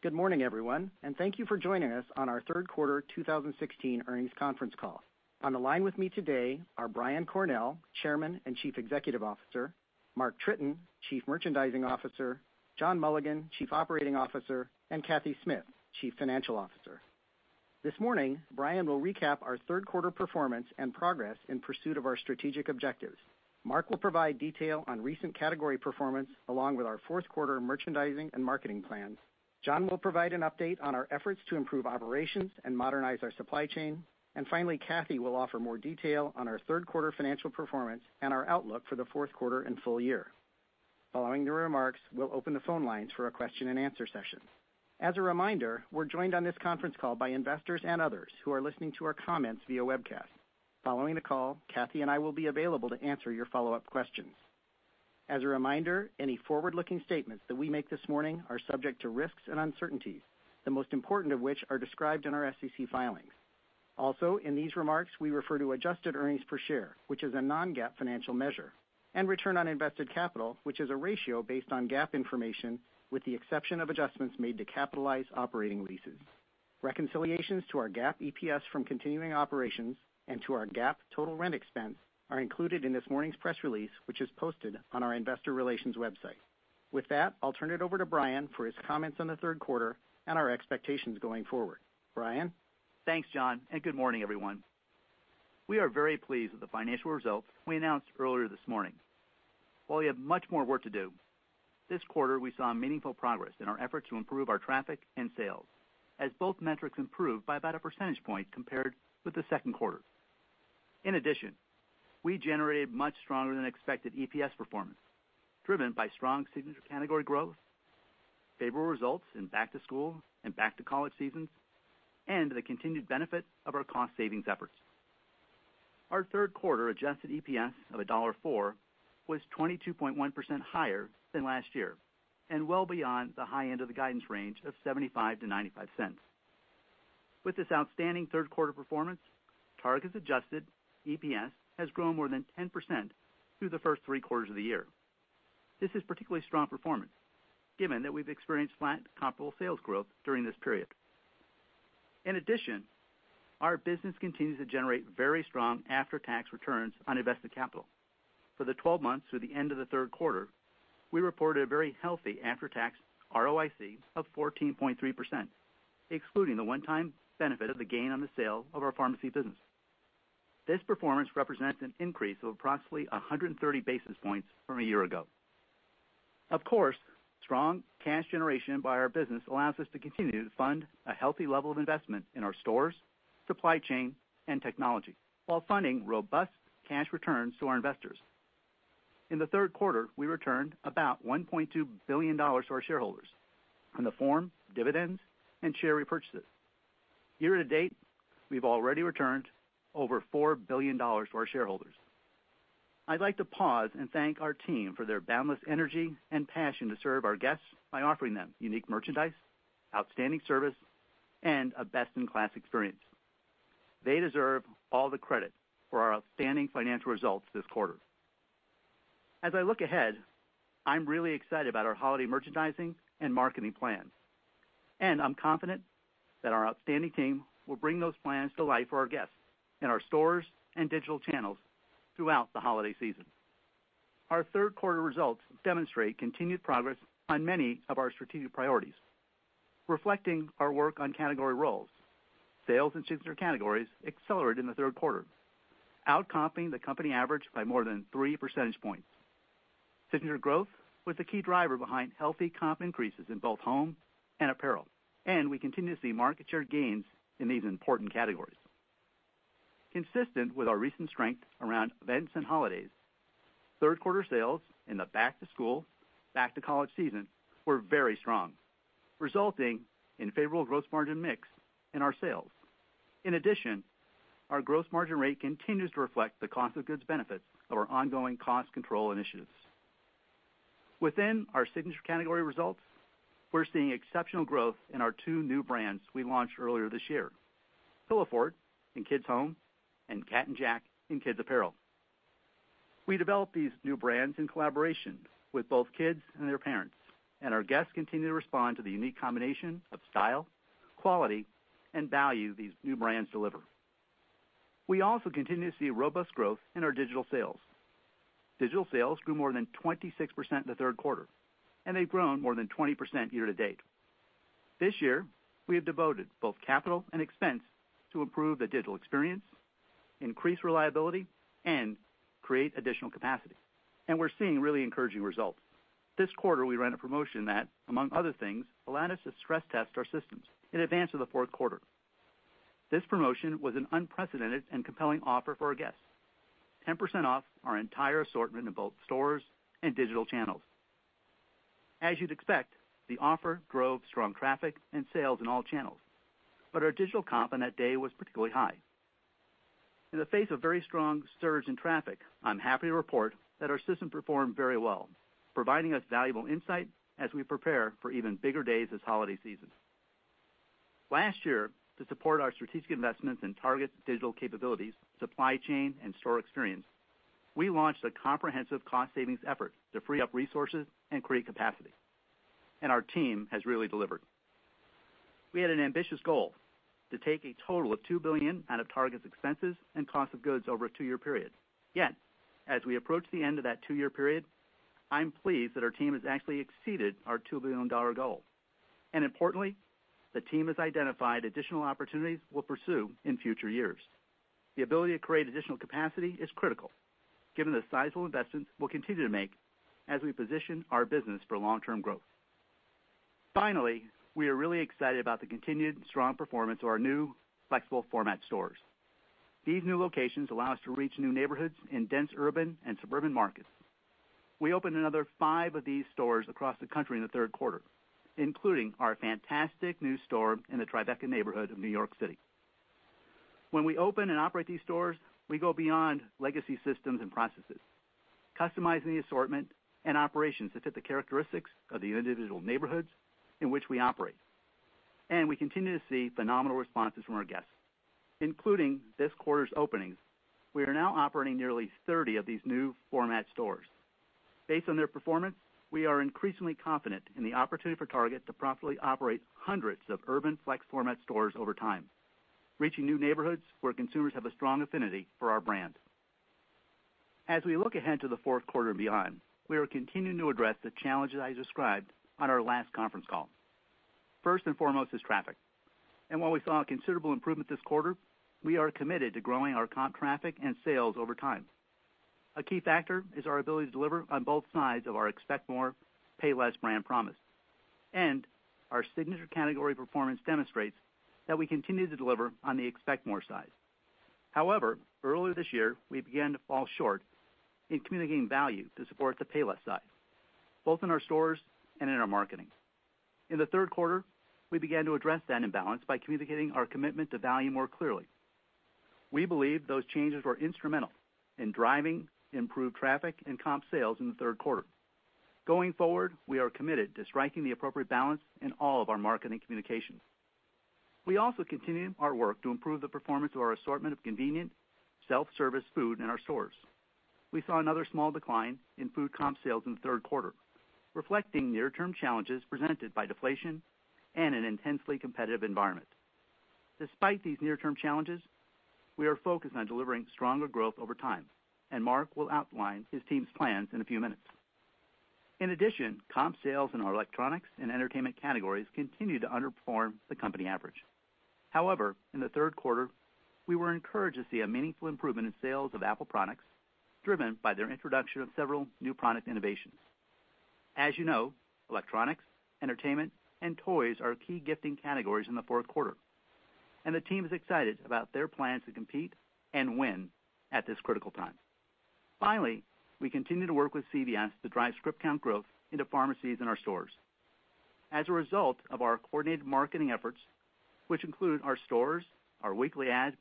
Good morning, everyone, and thank you for joining us on our third quarter 2016 earnings conference call. On the line with me today are Brian Cornell, Chairman and Chief Executive Officer. Mark Tritton, Chief Merchandising Officer. John Mulligan, Chief Operating Officer, and Cathy Smith, Chief Financial Officer. This morning, Brian will recap our third quarter performance and progress in pursuit of our strategic objectives. Mark will provide detail on recent category performance, along with our fourth quarter merchandising and marketing plans. John will provide an update on our efforts to improve operations and modernize our supply chain. Finally, Cathy will offer more detail on our third quarter financial performance and our outlook for the fourth quarter and full year. Following the remarks, we'll open the phone lines for a question and answer session. As a reminder, we're joined on this conference call by investors and others who are listening to our comments via webcast. Following the call, Cathy and I will be available to answer your follow-up questions. As a reminder, any forward-looking statements that we make this morning are subject to risks and uncertainties, the most important of which are described in our SEC filings. Also, in these remarks, we refer to adjusted earnings per share, which is a non-GAAP financial measure. Return on invested capital, which is a ratio based on GAAP information, with the exception of adjustments made to capitalized operating leases. Reconciliations to our GAAP EPS from continuing operations and to our GAAP total rent expense are included in this morning's press release, which is posted on our investor relations website. With that, I'll turn it over to Brian for his comments on the third quarter and our expectations going forward. Brian? Thanks, John, and good morning, everyone. We are very pleased with the financial results we announced earlier this morning. While we have much more work to do, this quarter, we saw meaningful progress in our effort to improve our traffic and sales, as both metrics improved by about a percentage point compared with the second quarter. In addition, we generated much stronger than expected EPS performance, driven by strong signature category growth, favorable results in back to school and back to college seasons, and the continued benefit of our cost savings efforts. Our third quarter adjusted EPS of $1.04 was 22.1% higher than last year and well beyond the high end of the guidance range of $0.75-$0.95. With this outstanding third quarter performance, Target's adjusted EPS has grown more than 10% through the first three quarters of the year. This is particularly strong performance, given that we've experienced flat comparable sales growth during this period. In addition, our business continues to generate very strong after-tax returns on invested capital. For the 12 months through the end of the third quarter, we reported a very healthy after-tax ROIC of 14.3%, excluding the one-time benefit of the gain on the sale of our pharmacy business. This performance represents an increase of approximately 130 basis points from a year ago. Of course, strong cash generation by our business allows us to continue to fund a healthy level of investment in our stores, supply chain, and technology, while funding robust cash returns to our investors. In the third quarter, we returned about $1.2 billion to our shareholders in the form of dividends and share repurchases. Year to date, we've already returned over $4 billion to our shareholders. I'd like to pause and thank our team for their boundless energy and passion to serve our guests by offering them unique merchandise, outstanding service, and a best-in-class experience. They deserve all the credit for our outstanding financial results this quarter. As I look ahead, I'm really excited about our holiday merchandising and marketing plans. I'm confident that our outstanding team will bring those plans to life for our guests in our stores and digital channels throughout the holiday season. Our third quarter results demonstrate continued progress on many of our strategic priorities, reflecting our work on category roles. Sales in signature categories accelerated in the third quarter, outcompeting the company average by more than three percentage points. Signature growth was the key driver behind healthy comp increases in both home and apparel, and we continue to see market share gains in these important categories. Consistent with our recent strength around events and holidays, third quarter sales in the back to school, back to college season were very strong, resulting in favorable gross margin mix in our sales. In addition, our gross margin rate continues to reflect the cost of goods benefits of our ongoing cost control initiatives. Within our signature category results, we're seeing exceptional growth in our two new brands we launched earlier this year, Pillowfort in kids' home, and Cat & Jack in kids' apparel. We developed these new brands in collaboration with both kids and their parents, and our guests continue to respond to the unique combination of style, quality, and value these new brands deliver. We also continue to see robust growth in our digital sales. Digital sales grew more than 26% in the third quarter, and they've grown more than 20% year to date. This year, we have devoted both capital and expense to improve the digital experience, increase reliability, and create additional capacity. We're seeing really encouraging results. This quarter, we ran a promotion that, among other things, allowed us to stress test our systems in advance of the fourth quarter. This promotion was an unprecedented and compelling offer for our guests. 10% off our entire assortment in both stores and digital channels. As you'd expect, the offer drove strong traffic and sales in all channels, but our digital comp on that day was particularly high. In the face of very strong surge in traffic, I'm happy to report that our system performed very well, providing us valuable insight as we prepare for even bigger days this holiday season. Last year, to support our strategic investments in Target's digital capabilities, supply chain, and store experience, we launched a comprehensive cost savings effort to free up resources and create capacity, and our team has really delivered. We had an ambitious goal to take a total of $2 billion out of Target's expenses and cost of goods over a two-year period. Yet, as we approach the end of that two-year period, I'm pleased that our team has actually exceeded our $2 billion goal. Importantly, the team has identified additional opportunities we'll pursue in future years. The ability to create additional capacity is critical given the sizable investments we'll continue to make as we position our business for long-term growth. Finally, we are really excited about the continued strong performance of our new flexible format stores. These new locations allow us to reach new neighborhoods in dense urban and suburban markets. We opened another five of these stores across the country in the third quarter, including our fantastic new store in the Tribeca neighborhood of New York City. When we open and operate these stores, we go beyond legacy systems and processes, customizing the assortment and operations to fit the characteristics of the individual neighborhoods in which we operate. We continue to see phenomenal responses from our guests. Including this quarter's openings, we are now operating nearly 30 of these new format stores. Based on their performance, we are increasingly confident in the opportunity for Target to profitably operate hundreds of urban flex format stores over time, reaching new neighborhoods where consumers have a strong affinity for our brand. As we look ahead to the fourth quarter and beyond, we are continuing to address the challenges I described on our last conference call. First and foremost is traffic. While we saw a considerable improvement this quarter, we are committed to growing our comp traffic and sales over time. A key factor is our ability to deliver on both sides of our Expect More, Pay Less brand promise. Our signature category performance demonstrates that we continue to deliver on the Expect More side. However, earlier this year, we began to fall short in communicating value to support the Pay Less side, both in our stores and in our marketing. In the third quarter, we began to address that imbalance by communicating our commitment to value more clearly. We believe those changes were instrumental in driving improved traffic and comp sales in the third quarter. Going forward, we are committed to striking the appropriate balance in all of our marketing communications. We also continue our work to improve the performance of our assortment of convenient self-service food in our stores. We saw another small decline in food comp sales in the third quarter, reflecting near-term challenges presented by deflation and an intensely competitive environment. Despite these near-term challenges, we are focused on delivering stronger growth over time, and Mark will outline his team's plans in a few minutes. In addition, comp sales in our electronics and entertainment categories continue to underperform the company average. However, in the third quarter, we were encouraged to see a meaningful improvement in sales of Apple products, driven by their introduction of several new product innovations. As you know, electronics, entertainment, and toys are key gifting categories in the fourth quarter, and the team is excited about their plans to compete and win at this critical time. Finally, we continue to work with CVS to drive script count growth into pharmacies in our stores. As a result of our coordinated marketing efforts, which include our stores, our weekly ad,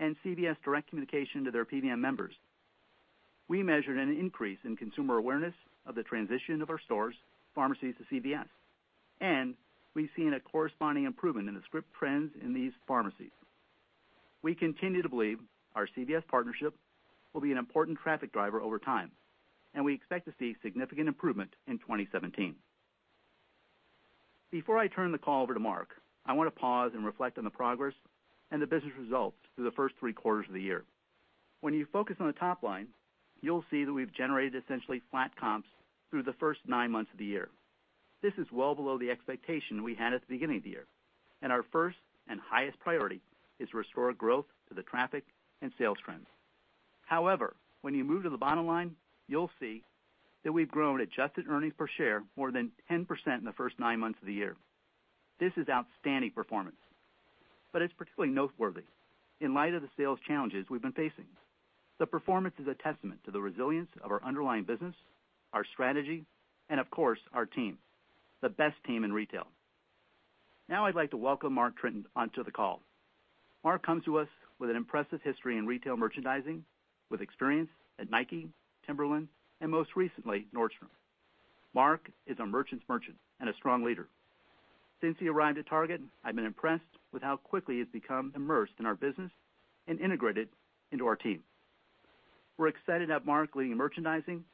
and CVS direct communication to their PBM members, we measured an increase in consumer awareness of the transition of our stores' pharmacies to CVS, and we've seen a corresponding improvement in the script trends in these pharmacies. We continue to believe our CVS partnership will be an important traffic driver over time, and we expect to see significant improvement in 2017. Before I turn the call over to Mark, I want to pause and reflect on the progress and the business results through the first three quarters of the year. When you focus on the top line, you'll see that we've generated essentially flat comps through the first nine months of the year. This is well below the expectation we had at the beginning of the year. Our first and highest priority is to restore growth to the traffic and sales trends. However, when you move to the bottom line, you'll see that we've grown adjusted earnings per share more than 10% in the first nine months of the year. This is outstanding performance. It's particularly noteworthy in light of the sales challenges we've been facing. The performance is a testament to the resilience of our underlying business, our strategy, and of course, our team, the best team in retail. Now I'd like to welcome Mark Tritton onto the call. Mark comes to us with an impressive history in retail merchandising, with experience at Nike, Timberland, and most recently, Nordstrom. Mark is a merchant's merchant and a strong leader. Since he arrived at Target, I've been impressed with how quickly he's become immersed in our business and integrated into our team. We're excited to have Mark leading merchandising.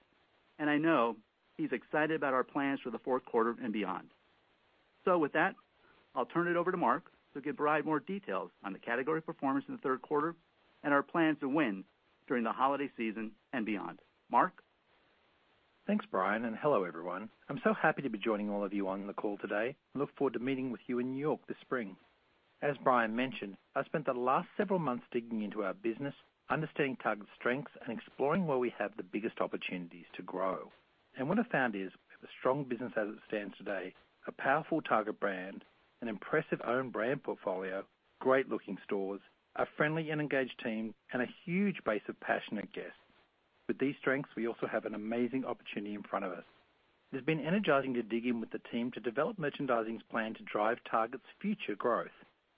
I know he's excited about our plans for the fourth quarter and beyond. With that, I'll turn it over to Mark to provide more details on the category performance in the third quarter and our plans to win during the holiday season and beyond. Mark? Thanks, Brian. Hello, everyone. I'm so happy to be joining all of you on the call today and look forward to meeting with you in New York this spring. As Brian mentioned, I spent the last several months digging into our business, understanding Target's strengths, and exploring where we have the biggest opportunities to grow. What I found is we have a strong business as it stands today, a powerful Target brand, an impressive own brand portfolio, great-looking stores, a friendly and engaged team, and a huge base of passionate guests. With these strengths, we also have an amazing opportunity in front of us. It has been energizing to dig in with the team to develop merchandising's plan to drive Target's future growth.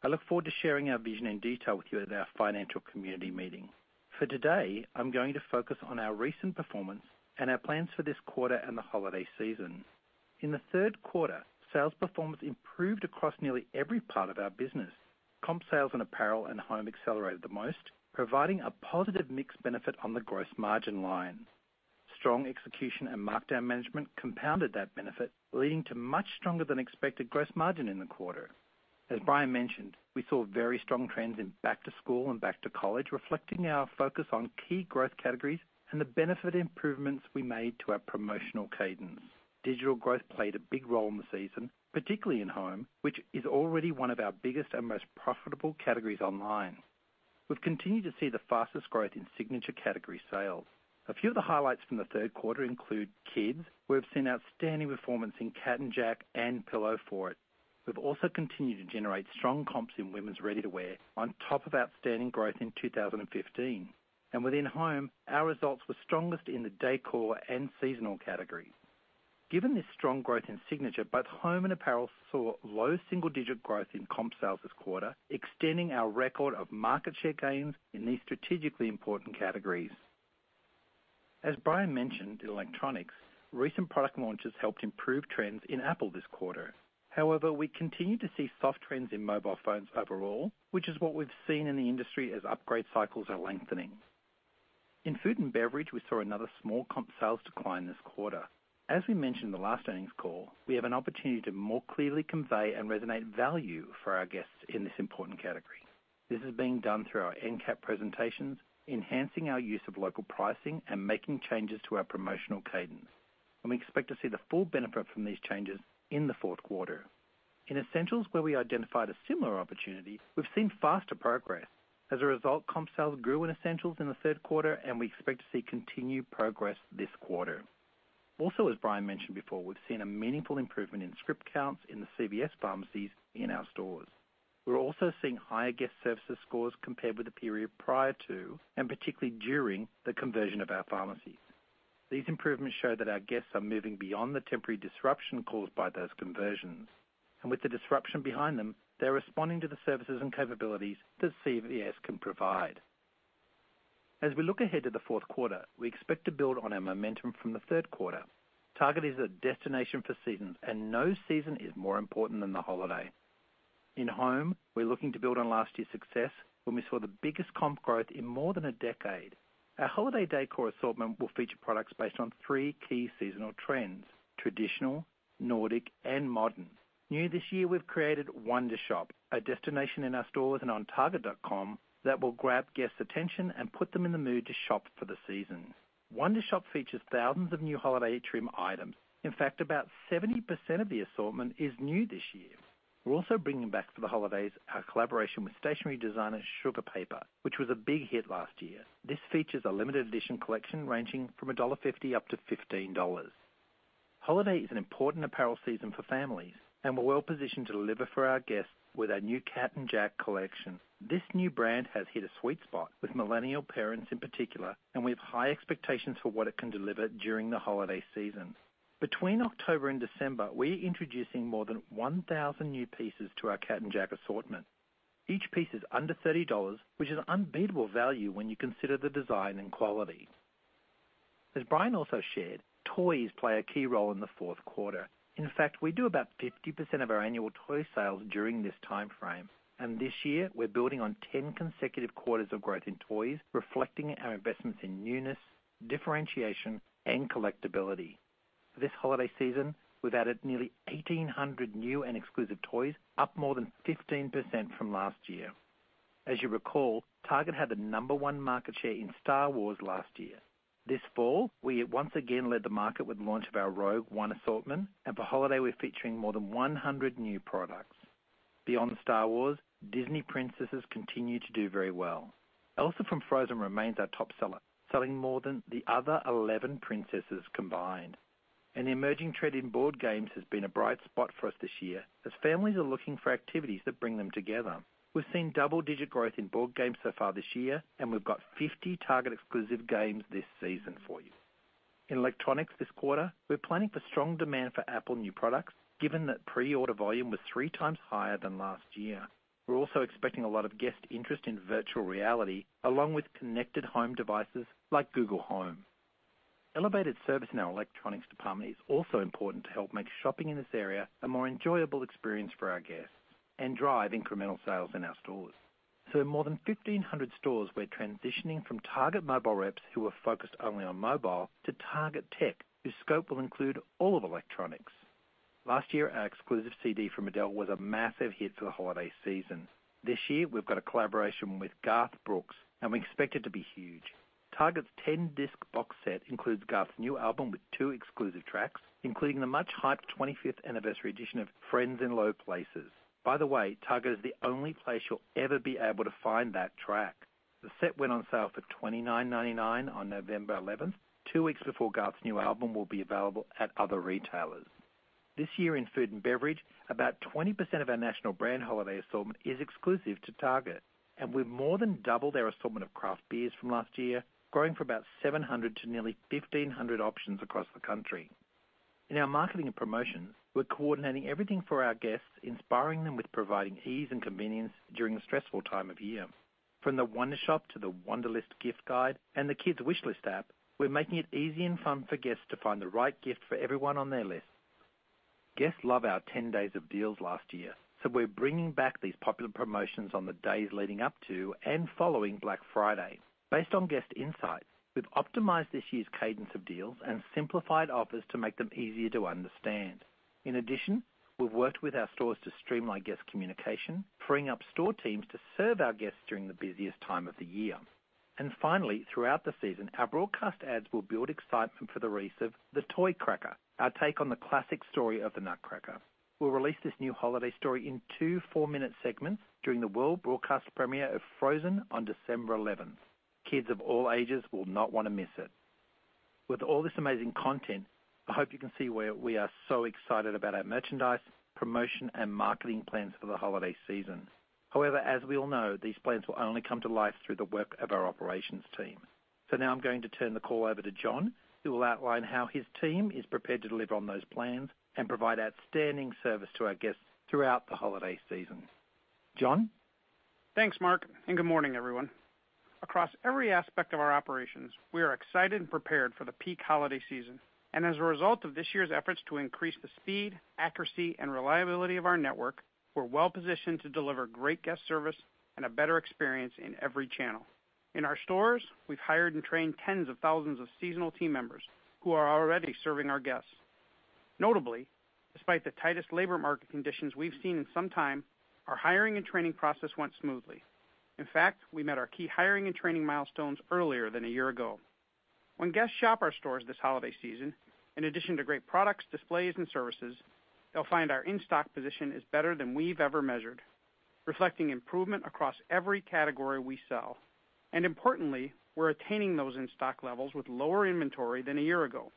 I look forward to sharing our vision in detail with you at our financial community meeting. For today, I'm going to focus on our recent performance and our plans for this quarter and the holiday season. In the third quarter, sales performance improved across nearly every part of our business. Comp sales in apparel and home accelerated the most, providing a positive mix benefit on the gross margin line. Strong execution and markdown management compounded that benefit, leading to much stronger than expected gross margin in the quarter. As Brian mentioned, we saw very strong trends in back to school and back to college, reflecting our focus on key growth categories and the benefit improvements we made to our promotional cadence. Digital growth played a big role in the season, particularly in home, which is already one of our biggest and most profitable categories online. We've continued to see the fastest growth in signature category sales. A few of the highlights from the third quarter include kids. We have seen outstanding performance in Cat & Jack and Pillowfort. We've also continued to generate strong comps in women's ready-to-wear on top of outstanding growth in 2015. Within home, our results were strongest in the decor and seasonal categories. Given this strong growth in signature, both home and apparel saw low single-digit growth in comp sales this quarter, extending our record of market share gains in these strategically important categories. As Brian mentioned, in electronics, recent product launches helped improve trends in Apple this quarter. However, we continue to see soft trends in mobile phones overall, which is what we've seen in the industry as upgrade cycles are lengthening. In food and beverage, we saw another small comp sales decline this quarter. As we mentioned in the last earnings call, we have an opportunity to more clearly convey and resonate value for our guests in this important category. This is being done through our NCAP presentations, enhancing our use of local pricing and making changes to our promotional cadence. We expect to see the full benefit from these changes in the fourth quarter. In essentials, where we identified a similar opportunity, we've seen faster progress. As a result, comp sales grew in essentials in the third quarter, and we expect to see continued progress this quarter. Also, as Brian mentioned before, we've seen a meaningful improvement in script counts in the CVS pharmacies in our stores. We're also seeing higher guest services scores compared with the period prior to, and particularly during the conversion of our pharmacies. These improvements show that our guests are moving beyond the temporary disruption caused by those conversions. With the disruption behind them, they're responding to the services and capabilities that CVS can provide. As we look ahead to the fourth quarter, we expect to build on our momentum from the third quarter. Target is a destination for seasons, and no season is more important than the holiday. In home, we're looking to build on last year's success, when we saw the biggest comp growth in more than a decade. Our holiday decor assortment will feature products based on three key seasonal trends: traditional, Nordic, and modern. New this year, we've created Wondershop, a destination in our stores and on target.com that will grab guests' attention and put them in the mood to shop for the season. Wondershop features thousands of new holiday trim items. In fact, about 70% of the assortment is new this year. We're also bringing back for the holidays our collaboration with stationery designer Sugar Paper, which was a big hit last year. This features a limited edition collection ranging from $1.50 up to $15. Holiday is an important apparel season for families, and we're well positioned to deliver for our guests with our new Cat & Jack collection. This new brand has hit a sweet spot with millennial parents in particular, and we have high expectations for what it can deliver during the holiday season. Between October and December, we are introducing more than 1,000 new pieces to our Cat & Jack assortment. Each piece is under $30, which is unbeatable value when you consider the design and quality. As Brian also shared, toys play a key role in the fourth quarter. In fact, we do about 50% of our annual toy sales during this timeframe. This year, we're building on 10 consecutive quarters of growth in toys, reflecting our investments in newness, differentiation, and collectability. For this holiday season, we've added nearly 1,800 new and exclusive toys, up more than 15% from last year. As you recall, Target had the number one market share in Star Wars last year. This fall, we once again led the market with the launch of our Rogue One assortment, and for holiday, we're featuring more than 100 new products. Beyond Star Wars, Disney princesses continue to do very well. Elsa from Frozen remains our top seller, selling more than the other 11 princesses combined. An emerging trend in board games has been a bright spot for us this year, as families are looking for activities that bring them together. We've seen double-digit growth in board games so far this year. We've got 50 Target exclusive games this season for you. In electronics this quarter, we're planning for strong demand for Apple new products, given that pre-order volume was three times higher than last year. We're also expecting a lot of guest interest in virtual reality, along with connected home devices like Google Home. Elevated service in our electronics department is also important to help make shopping in this area a more enjoyable experience for our guests and drive incremental sales in our stores. In more than 1,500 stores, we're transitioning from Target Mobile reps who are focused only on mobile to Target Tech, whose scope will include all of electronics. Last year, our exclusive CD from Adele was a massive hit for the holiday season. This year, we've got a collaboration with Garth Brooks, and we expect it to be huge. Target's 10-disc box set includes Garth's new album with two exclusive tracks, including the much-hyped 25th anniversary edition of Friends in Low Places. By the way, Target is the only place you'll ever be able to find that track. The set went on sale for $29.99 on November 11th, two weeks before Garth's new album will be available at other retailers. This year in food and beverage, about 20% of our national brand holiday assortment is exclusive to Target. We've more than doubled our assortment of craft beers from last year, growing from about 700 to nearly 1,500 options across the country. In our marketing and promotions, we're coordinating everything for our guests, inspiring them with providing ease and convenience during the stressful time of year. From the Wondershop to the Wonderlist gift guide and the Kids Wish List app, we're making it easy and fun for guests to find the right gift for everyone on their list. Guests loved our 10 Days of Deals last year, we're bringing back these popular promotions on the days leading up to and following Black Friday. Based on guest insights, we've optimized this year's cadence of deals and simplified offers to make them easier to understand. In addition, we've worked with our stores to streamline guest communication, freeing up store teams to serve our guests during the busiest time of the year. Finally, throughout the season, our broadcast ads will build excitement for the release of "The Toy Cracker," our take on the classic story of "The Nutcracker." We'll release this new holiday story in two four-minute segments during the world broadcast premiere of "Frozen" on December 11th. Kids of all ages will not want to miss it. With all this amazing content, I hope you can see why we are so excited about our merchandise, promotion, and marketing plans for the holiday season. However, as we all know, these plans will only come to life through the work of our operations team. Now I'm going to turn the call over to John, who will outline how his team is prepared to deliver on those plans and provide outstanding service to our guests throughout the holiday season. John? Thanks, Mark, good morning, everyone. Across every aspect of our operations, we are excited and prepared for the peak holiday season. As a result of this year's efforts to increase the speed, accuracy, and reliability of our network, we're well-positioned to deliver great guest service and a better experience in every channel. In our stores, we've hired and trained tens of thousands of seasonal team members who are already serving our guests. Notably, despite the tightest labor market conditions we've seen in some time, our hiring and training process went smoothly. In fact, we met our key hiring and training milestones earlier than a year ago. When guests shop our stores this holiday season, in addition to great products, displays, and services, they'll find our in-stock position is better than we've ever measured, reflecting improvement across every category we sell. Importantly, we're attaining those in-stock levels with lower inventory than a year ago.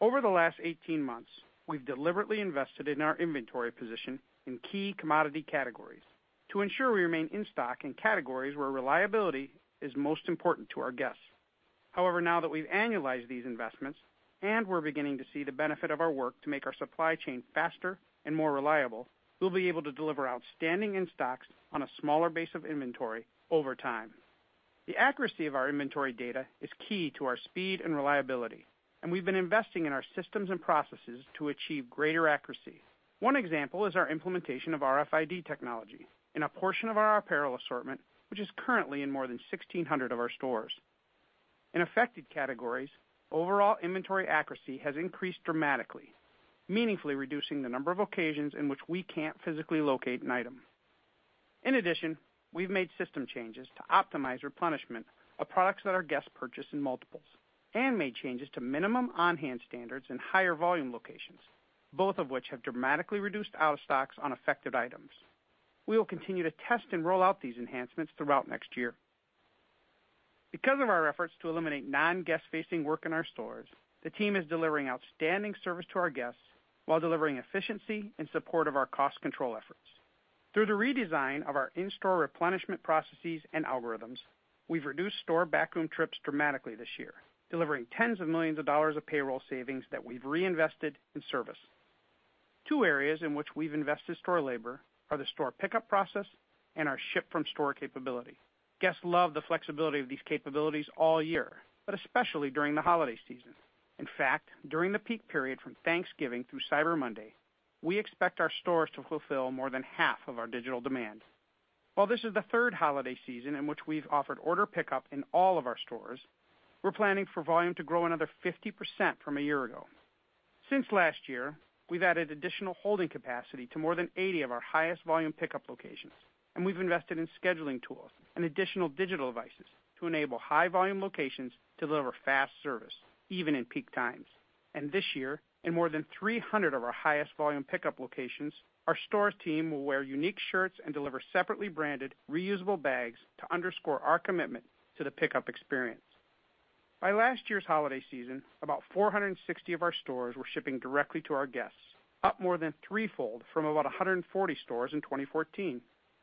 Over the last 18 months, we've deliberately invested in our inventory position in key commodity categories to ensure we remain in stock in categories where reliability is most important to our guests. However, now that we've annualized these investments and we're beginning to see the benefit of our work to make our supply chain faster and more reliable, we'll be able to deliver outstanding in-stocks on a smaller base of inventory over time. The accuracy of our inventory data is key to our speed and reliability, and we've been investing in our systems and processes to achieve greater accuracy. One example is our implementation of RFID technology in a portion of our apparel assortment, which is currently in more than 1,600 of our stores. In affected categories, overall inventory accuracy has increased dramatically, meaningfully reducing the number of occasions in which we can't physically locate an item. In addition, we've made system changes to optimize replenishment of products that our guests purchase in multiples and made changes to minimum on-hand standards in higher volume locations, both of which have dramatically reduced out-of-stocks on affected items. We will continue to test and roll out these enhancements throughout next year. Because of our efforts to eliminate non-guest-facing work in our stores, the team is delivering outstanding service to our guests while delivering efficiency in support of our cost control efforts. Through the redesign of our in-store replenishment processes and algorithms, we've reduced store backroom trips dramatically this year, delivering tens of millions of dollars of payroll savings that we've reinvested in service. Two areas in which we've invested store labor are the store pickup process and our ship-from-store capability. Guests love the flexibility of these capabilities all year, but especially during the holiday season. In fact, during the peak period from Thanksgiving through Cyber Monday, we expect our stores to fulfill more than half of our digital demand. While this is the third holiday season in which we've offered order pickup in all of our stores, we're planning for volume to grow another 50% from a year ago. Since last year, we've added additional holding capacity to more than 80 of our highest volume pickup locations, and we've invested in scheduling tools and additional digital devices to enable high-volume locations to deliver fast service, even in peak times. This year, in more than 300 of our highest volume pickup locations, our stores team will wear unique shirts and deliver separately branded reusable bags to underscore our commitment to the pickup experience. By last year's holiday season, about 460 of our stores were shipping directly to our guests, up more than threefold from about 140 stores in 2014.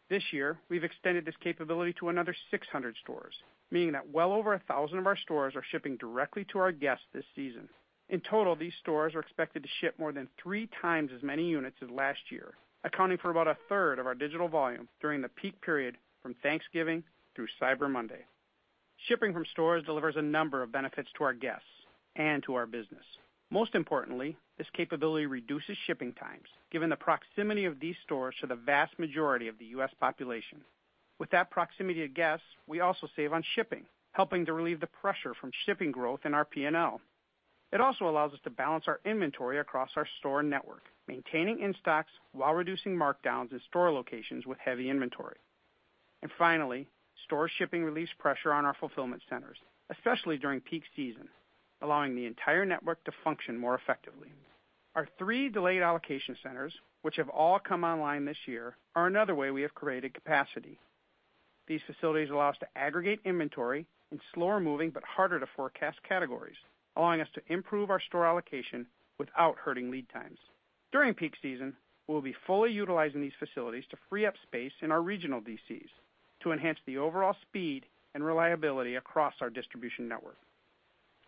This year, we've extended this capability to another 600 stores, meaning that well over 1,000 of our stores are shipping directly to our guests this season. In total, these stores are expected to ship more than three times as many units as last year, accounting for about a third of our digital volume during the peak period from Thanksgiving through Cyber Monday. Shipping from stores delivers a number of benefits to our guests and to our business. Most importantly, this capability reduces shipping times, given the proximity of these stores to the vast majority of the U.S. population. With that proximity to guests, we also save on shipping, helping to relieve the pressure from shipping growth in our P&L. It also allows us to balance our inventory across our store network, maintaining in-stocks while reducing markdowns in store locations with heavy inventory. Finally, store shipping relieves pressure on our fulfillment centers, especially during peak season, allowing the entire network to function more effectively. Our three delayed allocation centers, which have all come online this year, are another way we have created capacity. These facilities allow us to aggregate inventory in slower-moving but harder-to-forecast categories, allowing us to improve our store allocation without hurting lead times. During peak season, we'll be fully utilizing these facilities to free up space in our regional DCs. To enhance the overall speed and reliability across our distribution network.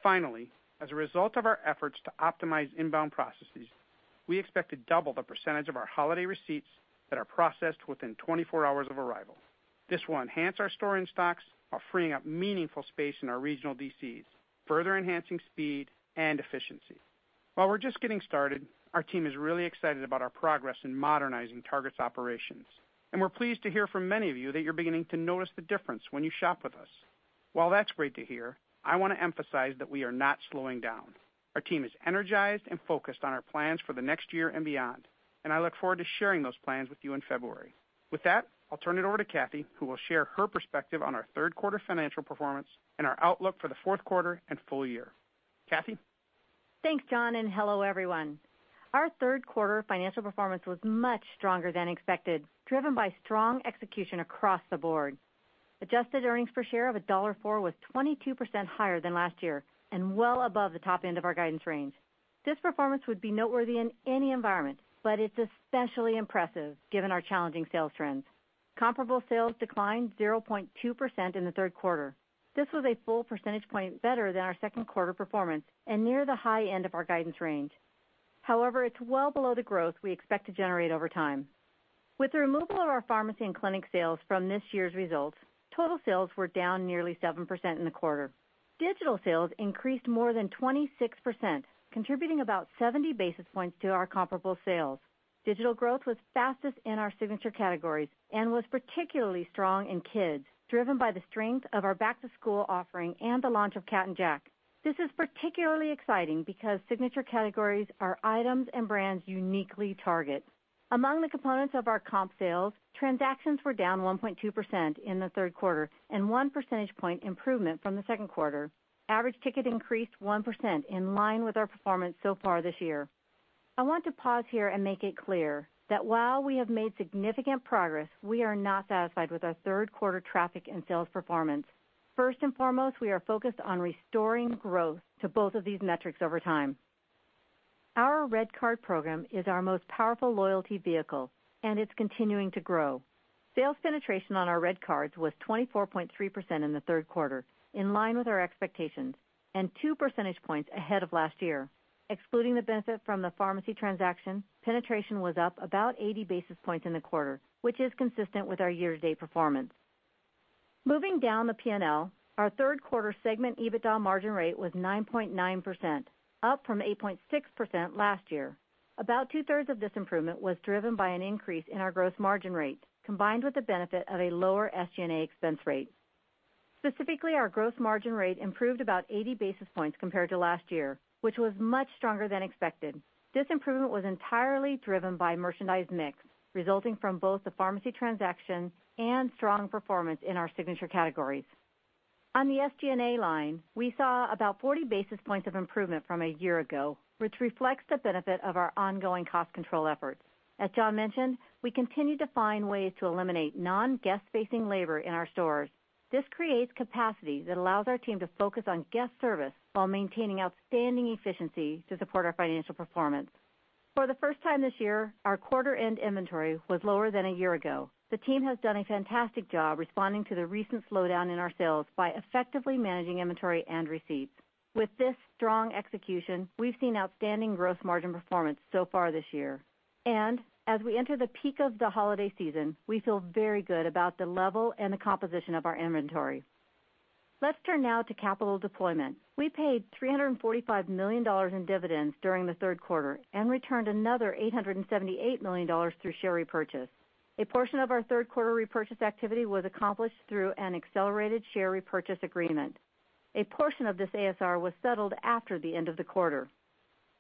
Finally, as a result of our efforts to optimize inbound processes, we expect to double the percentage of our holiday receipts that are processed within 24 hours of arrival. This will enhance our store in stocks while freeing up meaningful space in our regional DCs, further enhancing speed and efficiency. While we're just getting started, our team is really excited about our progress in modernizing Target's operations, and we're pleased to hear from many of you that you're beginning to notice the difference when you shop with us. While that's great to hear, I want to emphasize that we are not slowing down. Our team is energized and focused on our plans for the next year and beyond, and I look forward to sharing those plans with you in February. With that, I'll turn it over to Cathy, who will share her perspective on our third quarter financial performance and our outlook for the fourth quarter and full year. Cathy? Thanks, John, hello, everyone. Our third quarter financial performance was much stronger than expected, driven by strong execution across the board. Adjusted earnings per share of $1.04 was 22% higher than last year and well above the top end of our guidance range. This performance would be noteworthy in any environment, but it's especially impressive given our challenging sales trends. Comparable sales declined 0.2% in the third quarter. This was a full percentage point better than our second quarter performance and near the high end of our guidance range. It's well below the growth we expect to generate over time. With the removal of our pharmacy and clinic sales from this year's results, total sales were down nearly 7% in the quarter. Digital sales increased more than 26%, contributing about 70 basis points to our comparable sales. Digital growth was fastest in our signature categories and was particularly strong in kids, driven by the strength of our back-to-school offering and the launch of Cat & Jack. This is particularly exciting because signature categories are items and brands uniquely Target. Among the components of our comp sales, transactions were down 1.2% in the third quarter and one percentage point improvement from the second quarter. Average ticket increased 1% in line with our performance so far this year. I want to pause here and make it clear that while we have made significant progress, we are not satisfied with our third quarter traffic and sales performance. First and foremost, we are focused on restoring growth to both of these metrics over time. Our REDcard program is our most powerful loyalty vehicle, and it's continuing to grow. Sales penetration on our REDcard was 24.3% in the third quarter, in line with our expectations, and two percentage points ahead of last year. Excluding the benefit from the pharmacy transaction, penetration was up about 80 basis points in the quarter, which is consistent with our year-to-date performance. Moving down the P&L, our third quarter segment EBITDA margin rate was 9.9%, up from 8.6% last year. About two-thirds of this improvement was driven by an increase in our gross margin rate, combined with the benefit of a lower SG&A expense rate. Specifically, our gross margin rate improved about 80 basis points compared to last year, which was much stronger than expected. This improvement was entirely driven by merchandise mix, resulting from both the pharmacy transaction and strong performance in our signature categories. On the SG&A line, we saw about 40 basis points of improvement from a year ago, which reflects the benefit of our ongoing cost control efforts. As John mentioned, we continue to find ways to eliminate non-guest-facing labor in our stores. This creates capacity that allows our team to focus on guest service while maintaining outstanding efficiency to support our financial performance. For the first time this year, our quarter-end inventory was lower than a year ago. The team has done a fantastic job responding to the recent slowdown in our sales by effectively managing inventory and receipts. With this strong execution, we have seen outstanding gross margin performance so far this year. As we enter the peak of the holiday season, we feel very good about the level and the composition of our inventory. Let's turn now to capital deployment. We paid $345 million in dividends during the third quarter and returned another $878 million through share repurchase. A portion of our third quarter repurchase activity was accomplished through an accelerated share repurchase agreement. A portion of this ASR was settled after the end of the quarter.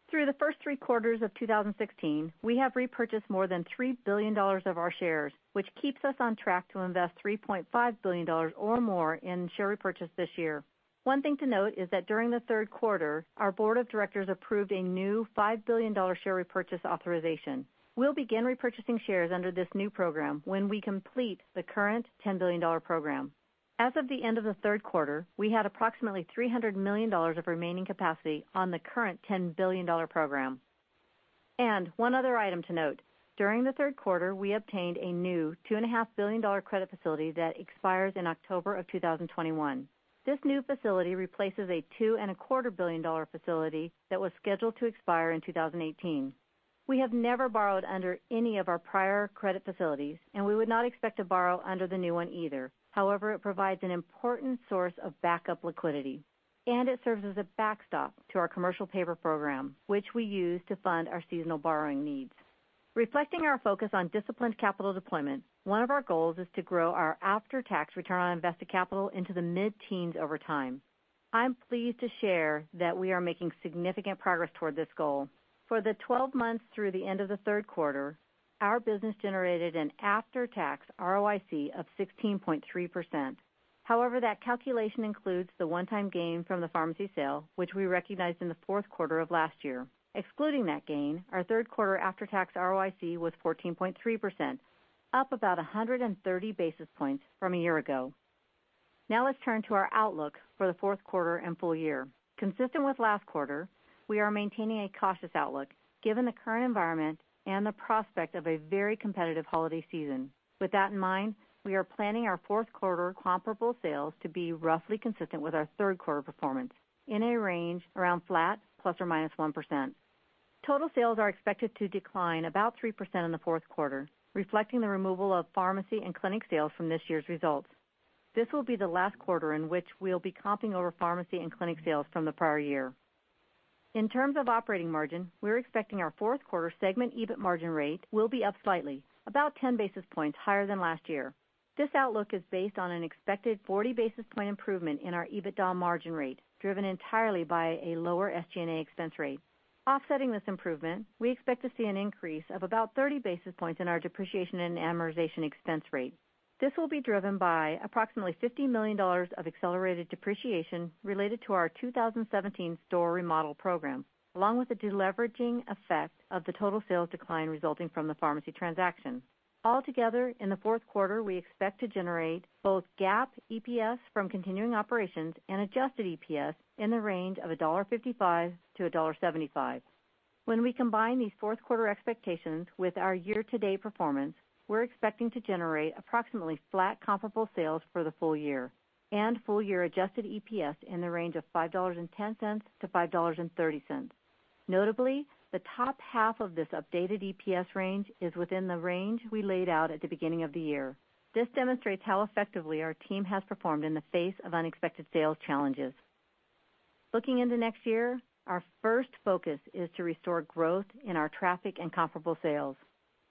Through the first three quarters of 2016, we have repurchased more than $3 billion of our shares, which keeps us on track to invest $3.5 billion or more in share repurchase this year. One thing to note is that during the third quarter, our board of directors approved a new $5 billion share repurchase authorization. We will begin repurchasing shares under this new program when we complete the current $10 billion program. As of the end of the third quarter, we had approximately $300 million of remaining capacity on the current $10 billion program. One other item to note, during the third quarter, we obtained a new $2.5 billion credit facility that expires in October of 2021. This new facility replaces a $2.25 billion facility that was scheduled to expire in 2018. We have never borrowed under any of our prior credit facilities, and we would not expect to borrow under the new one either. However, it provides an important source of backup liquidity, and it serves as a backstop to our commercial paper program, which we use to fund our seasonal borrowing needs. Reflecting our focus on disciplined capital deployment, one of our goals is to grow our after-tax return on invested capital into the mid-teens over time. I am pleased to share that we are making significant progress toward this goal. For the 12 months through the end of the third quarter, our business generated an after-tax ROIC of 16.3%. However, that calculation includes the one-time gain from the pharmacy sale, which we recognized in the fourth quarter of last year. Excluding that gain, our third quarter after-tax ROIC was 14.3%, up about 130 basis points from a year ago. Now let's turn to our outlook for the fourth quarter and full year. Consistent with last quarter, we are maintaining a cautious outlook given the current environment and the prospect of a very competitive holiday season. With that in mind, we are planning our fourth quarter comparable sales to be roughly consistent with our third quarter performance in a range around flat ±1%. Total sales are expected to decline about 3% in the fourth quarter, reflecting the removal of pharmacy and clinic sales from this year's results. This will be the last quarter in which we will be comping over pharmacy and clinic sales from the prior year. In terms of operating margin, we are expecting our fourth quarter segment EBIT margin rate will be up slightly, about 10 basis points higher than last year. This outlook is based on an expected 40 basis point improvement in our EBITDA margin rate, driven entirely by a lower SG&A expense rate. Offsetting this improvement, we expect to see an increase of about 30 basis points in our depreciation and amortization expense rate. This will be driven by approximately $50 million of accelerated depreciation related to our 2017 store remodel program, along with the deleveraging effect of the total sales decline resulting from the pharmacy transaction. Altogether, in the fourth quarter, we expect to generate both GAAP EPS from continuing operations and adjusted EPS in the range of $1.55-$1.75. When we combine these fourth quarter expectations with our year-to-date performance, we are expecting to generate approximately flat comparable sales for the full year and full year adjusted EPS in the range of $5.10-$5.30. Notably, the top half of this updated EPS range is within the range we laid out at the beginning of the year. This demonstrates how effectively our team has performed in the face of unexpected sales challenges. Looking into next year, our first focus is to restore growth in our traffic and comparable sales.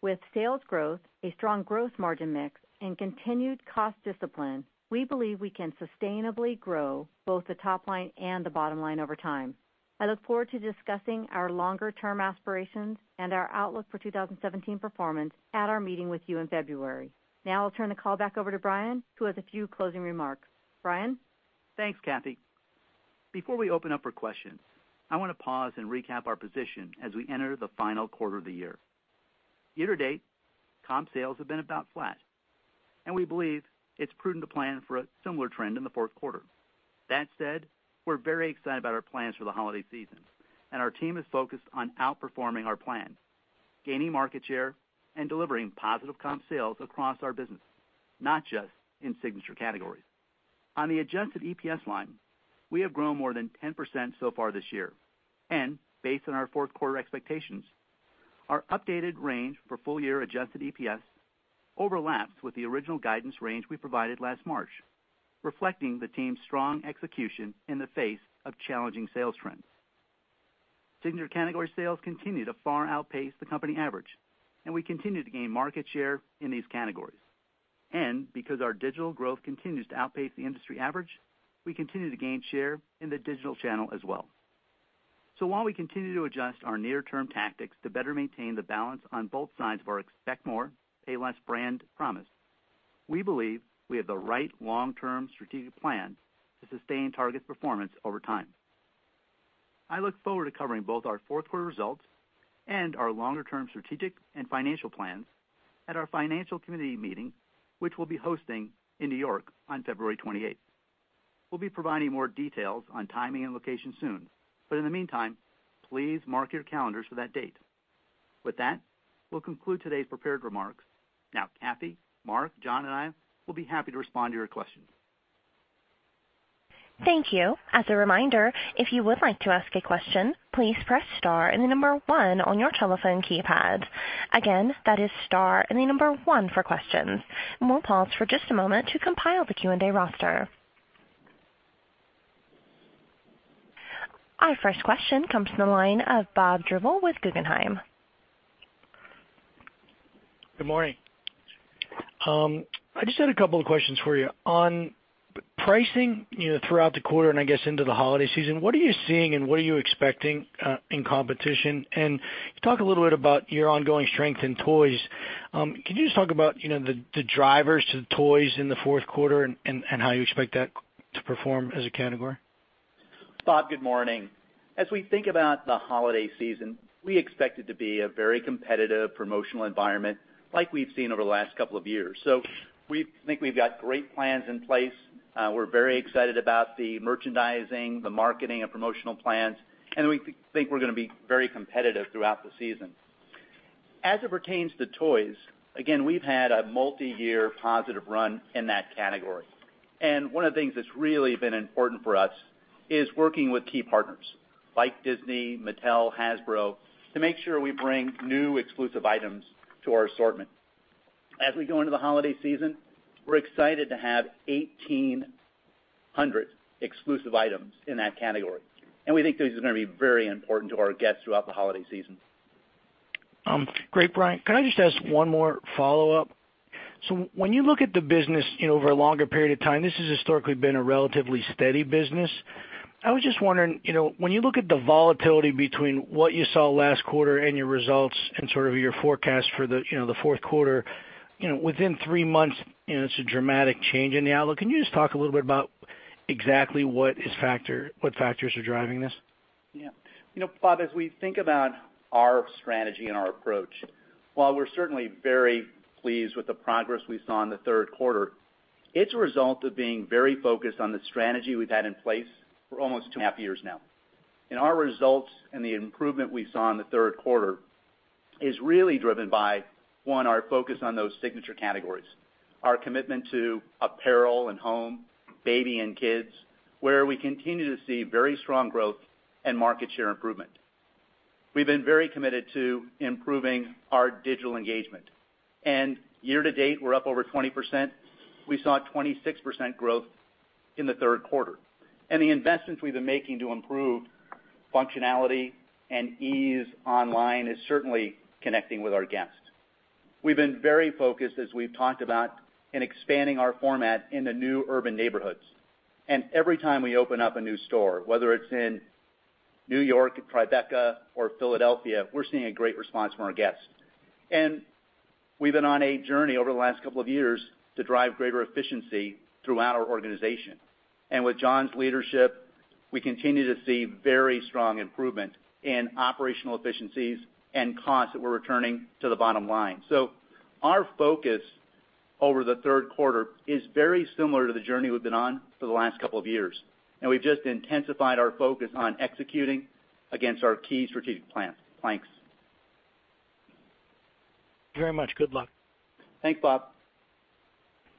With sales growth, a strong gross margin mix, and continued cost discipline, we believe we can sustainably grow both the top line and the bottom line over time. I look forward to discussing our longer-term aspirations and our outlook for 2017 performance at our meeting with you in February. Now I will turn the call back over to Brian, who has a few closing remarks. Brian? Thanks, Cathy. Before we open up for questions, I want to pause and recap our position as we enter the final quarter of the year. Year-to-date, comp sales have been about flat, and we believe it's prudent to plan for a similar trend in the fourth quarter. That said, we're very excited about our plans for the holiday season, and our team is focused on outperforming our plans, gaining market share, and delivering positive comp sales across our business, not just in signature categories. On the adjusted EPS line, we have grown more than 10% so far this year and based on our fourth quarter expectations, our updated range for full year adjusted EPS overlaps with the original guidance range we provided last March, reflecting the team's strong execution in the face of challenging sales trends. Signature category sales continue to far outpace the company average, and we continue to gain market share in these categories. Because our digital growth continues to outpace the industry average, we continue to gain share in the digital channel as well. While we continue to adjust our near-term tactics to better maintain the balance on both sides of our Expect More, Pay Less brand promise, we believe we have the right long-term strategic plan to sustain Target's performance over time. I look forward to covering both our fourth quarter results and our longer-term strategic and financial plans at our financial community meeting, which we'll be hosting in New York on February 28th. We'll be providing more details on timing and location soon, but in the meantime, please mark your calendars for that date. With that, we'll conclude today's prepared remarks. Now, Cathy, Mark, John, and I will be happy to respond to your questions. Thank you. As a reminder, if you would like to ask a question, please press star and the number one on your telephone keypad. Again, that is star and the number one for questions. We'll pause for just a moment to compile the Q&A roster. Our first question comes from the line of Bob Drbul with Guggenheim. Good morning. I just had a couple of questions for you. On pricing throughout the quarter and I guess into the holiday season, what are you seeing and what are you expecting in competition? You talk a little bit about your ongoing strength in toys. Can you just talk about the drivers to the toys in the fourth quarter and how you expect that to perform as a category? Bob, good morning. As we think about the holiday season, we expect it to be a very competitive promotional environment like we've seen over the last couple of years. We think we've got great plans in place. We're very excited about the merchandising, the marketing, and promotional plans, and we think we're going to be very competitive throughout the season. As it pertains to toys, again, we've had a multi-year positive run in that category. One of the things that's really been important for us is working with key partners like Disney, Mattel, Hasbro, to make sure we bring new exclusive items to our assortment. As we go into the holiday season, we're excited to have 1,800 exclusive items in that category, and we think this is going to be very important to our guests throughout the holiday season. Great, Brian. Can I just ask one more follow-up? When you look at the business over a longer period of time, this has historically been a relatively steady business. I was just wondering, when you look at the volatility between what you saw last quarter and your results and sort of your forecast for the fourth quarter, within three months, it's a dramatic change in the outlook. Can you just talk a little bit about Exactly what factors are driving this? Bob, as we think about our strategy and our approach, while we're certainly very pleased with the progress we saw in the third quarter, it's a result of being very focused on the strategy we've had in place for almost two and a half years now. Our results and the improvement we saw in the third quarter is really driven by, one, our focus on those signature categories, our commitment to apparel and home, baby and kids, where we continue to see very strong growth and market share improvement. We've been very committed to improving our digital engagement. Year to date, we're up over 20%. We saw 26% growth in the third quarter. The investments we've been making to improve functionality and ease online is certainly connecting with our guests. We've been very focused, as we've talked about, in expanding our format into new urban neighborhoods. Every time we open up a new store, whether it's in New York, Tribeca, or Philadelphia, we're seeing a great response from our guests. We've been on a journey over the last couple of years to drive greater efficiency throughout our organization. With John's leadership, we continue to see very strong improvement in operational efficiencies and costs that we're returning to the bottom line. Our focus over the third quarter is very similar to the journey we've been on for the last couple of years, and we've just intensified our focus on executing against our key strategic planks. Thank you very much. Good luck. Thanks, Bob.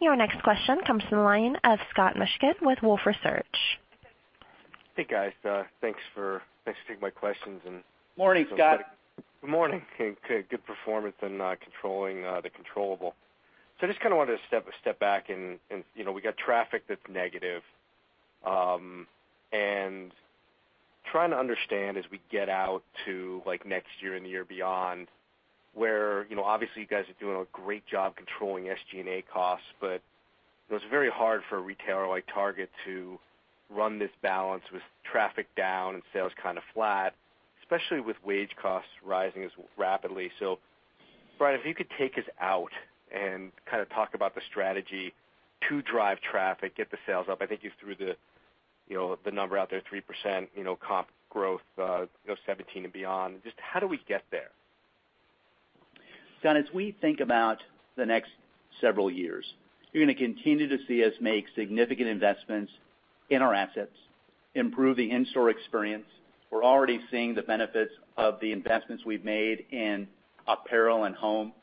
Your next question comes from the line of Scott Mushkin with Wolfe Research. Hey, guys. Thanks for taking my questions. Morning, Scott. Good morning. Good performance in controlling the controllable. I just wanted to step back, and we got traffic that's negative. I am trying to understand as we get out to next year and the year beyond, where obviously you guys are doing a great job controlling SG&A costs. It's very hard for a retailer like Target to run this balance with traffic down and sales flat, especially with wage costs rising as rapidly. Brian, if you could take us out and talk about the strategy to drive traffic, get the sales up. I think you threw the number out there, 3% comp growth, 2017 and beyond. Just how do we get there? Scott, as we think about the next several years, you're going to continue to see us make significant investments in our assets, improving in-store experience. We're already seeing the benefits of the investments we've made in apparel and home.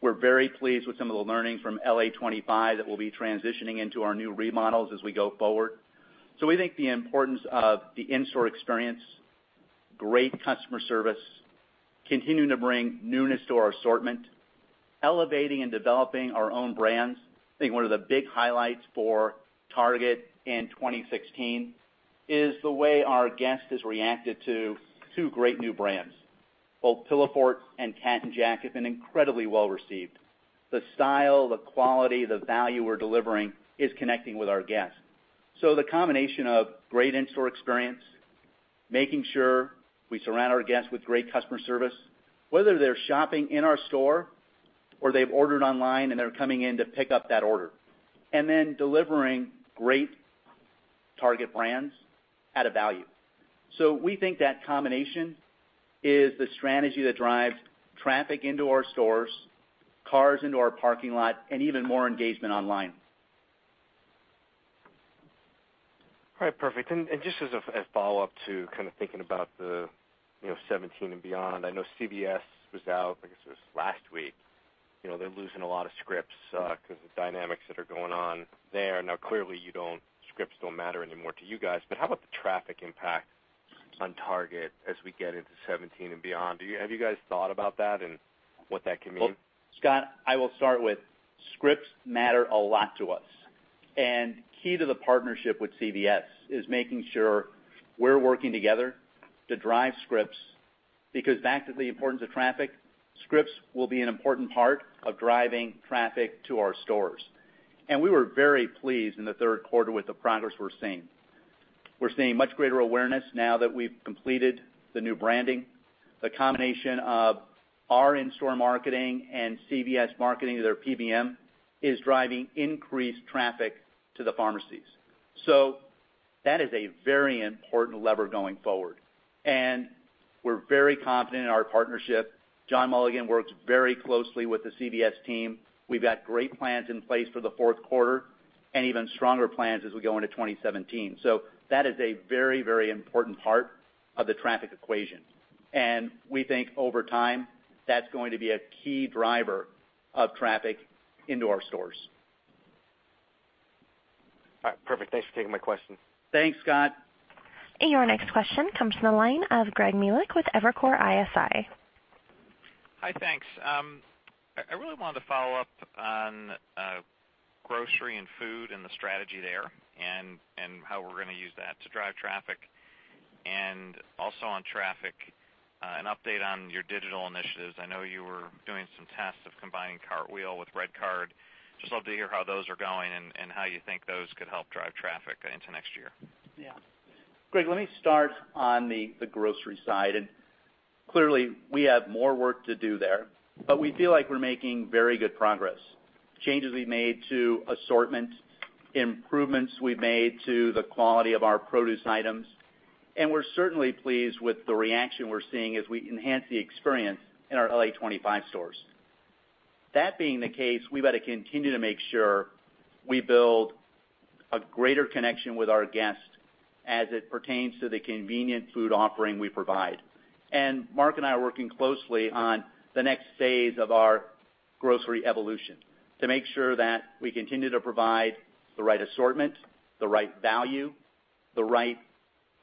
We're very pleased with some of the learnings from LA25 that we'll be transitioning into our new remodels as we go forward. We think the importance of the in-store experience, great customer service, continuing to bring newness to our assortment, elevating and developing our own brands. I think one of the big highlights for Target in 2016 is the way our guest has reacted to two great new brands. Both Pillowfort and Cat & Jack have been incredibly well-received. The style, the quality, the value we're delivering is connecting with our guests. The combination of great in-store experience, making sure we surround our guests with great customer service, whether they're shopping in our store or they've ordered online and they're coming in to pick up that order. Then delivering great Target brands at a value. We think that combination is the strategy that drives traffic into our stores, cars into our parking lot, and even more engagement online. All right. Perfect. Just as a follow-up to thinking about the 2017 and beyond. I know CVS was out, I guess it was last week. They're losing a lot of scripts because of dynamics that are going on there. Now, clearly scripts don't matter anymore to you guys, but how about the traffic impact on Target as we get into 2017 and beyond? Have you guys thought about that and what that can mean? Scott, I will start with scripts matter a lot to us, and key to the partnership with CVS is making sure we're working together to drive scripts, because back to the importance of traffic, scripts will be an important part of driving traffic to our stores. We were very pleased in the third quarter with the progress we're seeing. We're seeing much greater awareness now that we've completed the new branding. The combination of our in-store marketing and CVS marketing, their PBM, is driving increased traffic to the pharmacies. That is a very important lever going forward, and we're very confident in our partnership. John Mulligan works very closely with the CVS team. We've got great plans in place for the fourth quarter and even stronger plans as we go into 2017. That is a very important part of the traffic equation. We think over time, that's going to be a key driver of traffic into our stores. All right. Perfect. Thanks for taking my question. Thanks, Scott. Your next question comes from the line of Greg Melich with Evercore ISI. Hi, thanks. I really wanted to follow up on grocery and food and the strategy there and how we're going to use that to drive traffic. Also on traffic, an update on your digital initiatives. I know you were doing some tests of combining Cartwheel with REDcard. Just love to hear how those are going and how you think those could help drive traffic into next year. Yeah. Greg, let me start on the grocery side. Clearly, we have more work to do there, but we feel like we're making very good progress. Changes we've made to assortment, improvements we've made to the quality of our produce items, and we're certainly pleased with the reaction we're seeing as we enhance the experience in our LA25 stores. That being the case, we've got to continue to make sure we build a greater connection with our guests as it pertains to the convenient food offering we provide. Mark and I are working closely on the next phase of our grocery evolution to make sure that we continue to provide the right assortment, the right value, the right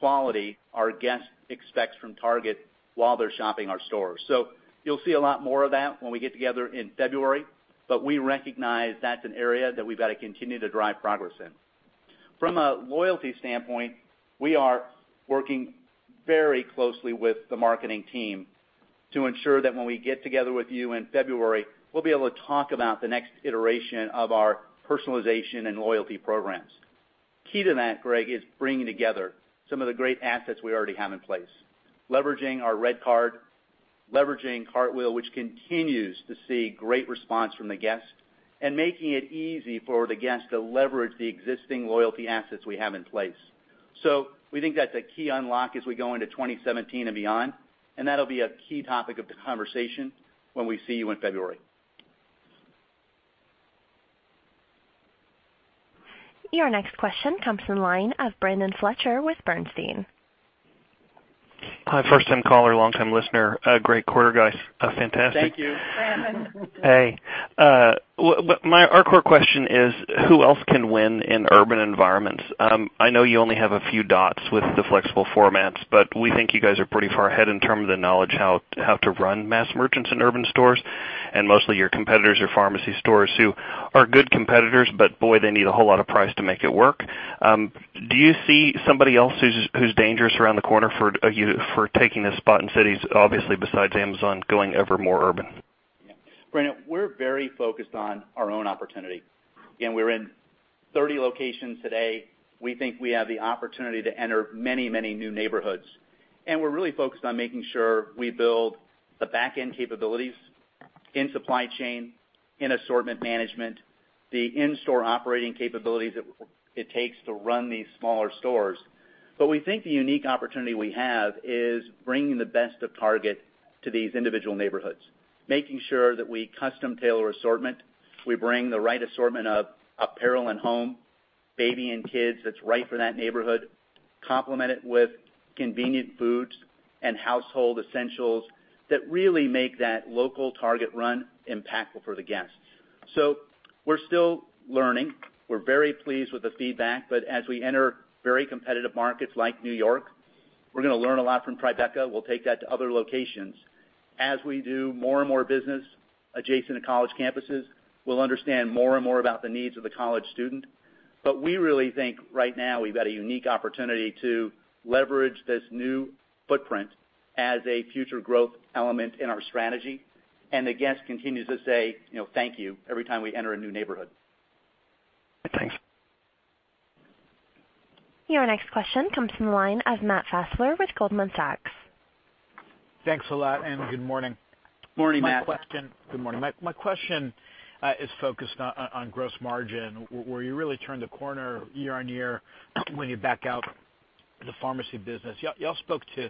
quality our guest expects from Target while they're shopping our stores. You'll see a lot more of that when we get together in February, but we recognize that's an area that we've got to continue to drive progress in. From a loyalty standpoint, we are working very closely with the marketing team to ensure that when we get together with you in February, we'll be able to talk about the next iteration of our personalization and loyalty programs. Key to that, Greg, is bringing together some of the great assets we already have in place. Leveraging our REDcard, leveraging Cartwheel, which continues to see great response from the guest, and making it easy for the guest to leverage the existing loyalty assets we have in place. We think that's a key unlock as we go into 2017 and beyond, and that'll be a key topic of the conversation when we see you in February. Your next question comes in the line of Brandon Fletcher with Bernstein. Hi, first-time caller, long-time listener. Great quarter, guys. Fantastic. Thank you. Brandon. Hey. Our core question is, who else can win in urban environments? I know you only have a few dots with the flexible formats, but we think you guys are pretty far ahead in terms of the knowledge how to run mass merchants in urban stores. Mostly your competitors are pharmacy stores who are good competitors, but boy, they need a whole lot of price to make it work. Do you see somebody else who's dangerous around the corner for taking this spot in cities, obviously besides Amazon going ever more urban? Yeah. Brandon, we're very focused on our own opportunity. Again, we're in 30 locations today. We think we have the opportunity to enter many new neighborhoods. We're really focused on making sure we build the back-end capabilities in supply chain, in assortment management, the in-store operating capabilities it takes to run these smaller stores. We think the unique opportunity we have is bringing the best of Target to these individual neighborhoods, making sure that we custom tailor assortment. We bring the right assortment of apparel and home, baby and kids, that's right for that neighborhood, complement it with convenient foods and household essentials that really make that local Target run impactful for the guest. We're still learning. We're very pleased with the feedback, as we enter very competitive markets like New York, we're going to learn a lot from Tribeca. We'll take that to other locations. As we do more and more business adjacent to college campuses, we'll understand more and more about the needs of the college student. We really think right now we've got a unique opportunity to leverage this new footprint as a future growth element in our strategy. The guest continues to say thank you every time we enter a new neighborhood. Thanks. Your next question comes from the line of Matt Fassler with Goldman Sachs. Thanks a lot, and good morning. Morning, Matt. Good morning. My question is focused on gross margin, where you really turned the corner year-over-year when you back out the pharmacy business. You all spoke to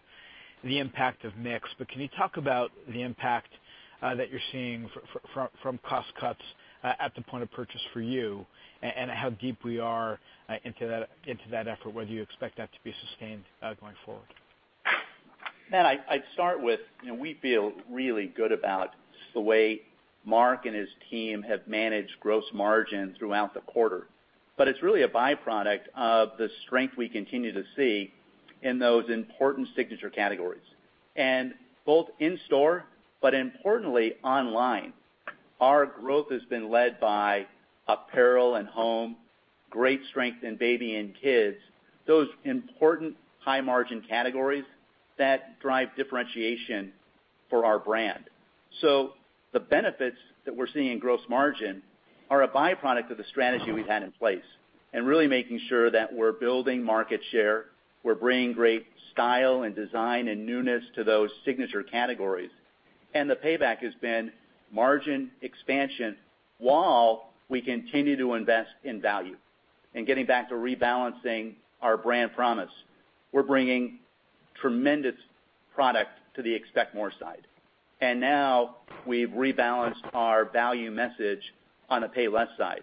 the impact of mix, can you talk about the impact that you're seeing from cost cuts at the point of purchase for you and how deep we are into that effort, whether you expect that to be sustained going forward? Matt, I'd start with, we feel really good about the way Mark and his team have managed gross margin throughout the quarter, it's really a byproduct of the strength we continue to see in those important signature categories. Both in-store, importantly online, our growth has been led by apparel and home, great strength in baby and kids, those important high-margin categories that drive differentiation for our brand. The benefits that we're seeing in gross margin are a byproduct of the strategy we've had in place and really making sure that we're building market share, we're bringing great style and design and newness to those signature categories. The payback has been margin expansion while we continue to invest in value. Getting back to rebalancing our brand promise, we're bringing tremendous product to the Expect More side. Now we've rebalanced our value message on the Pay Less side.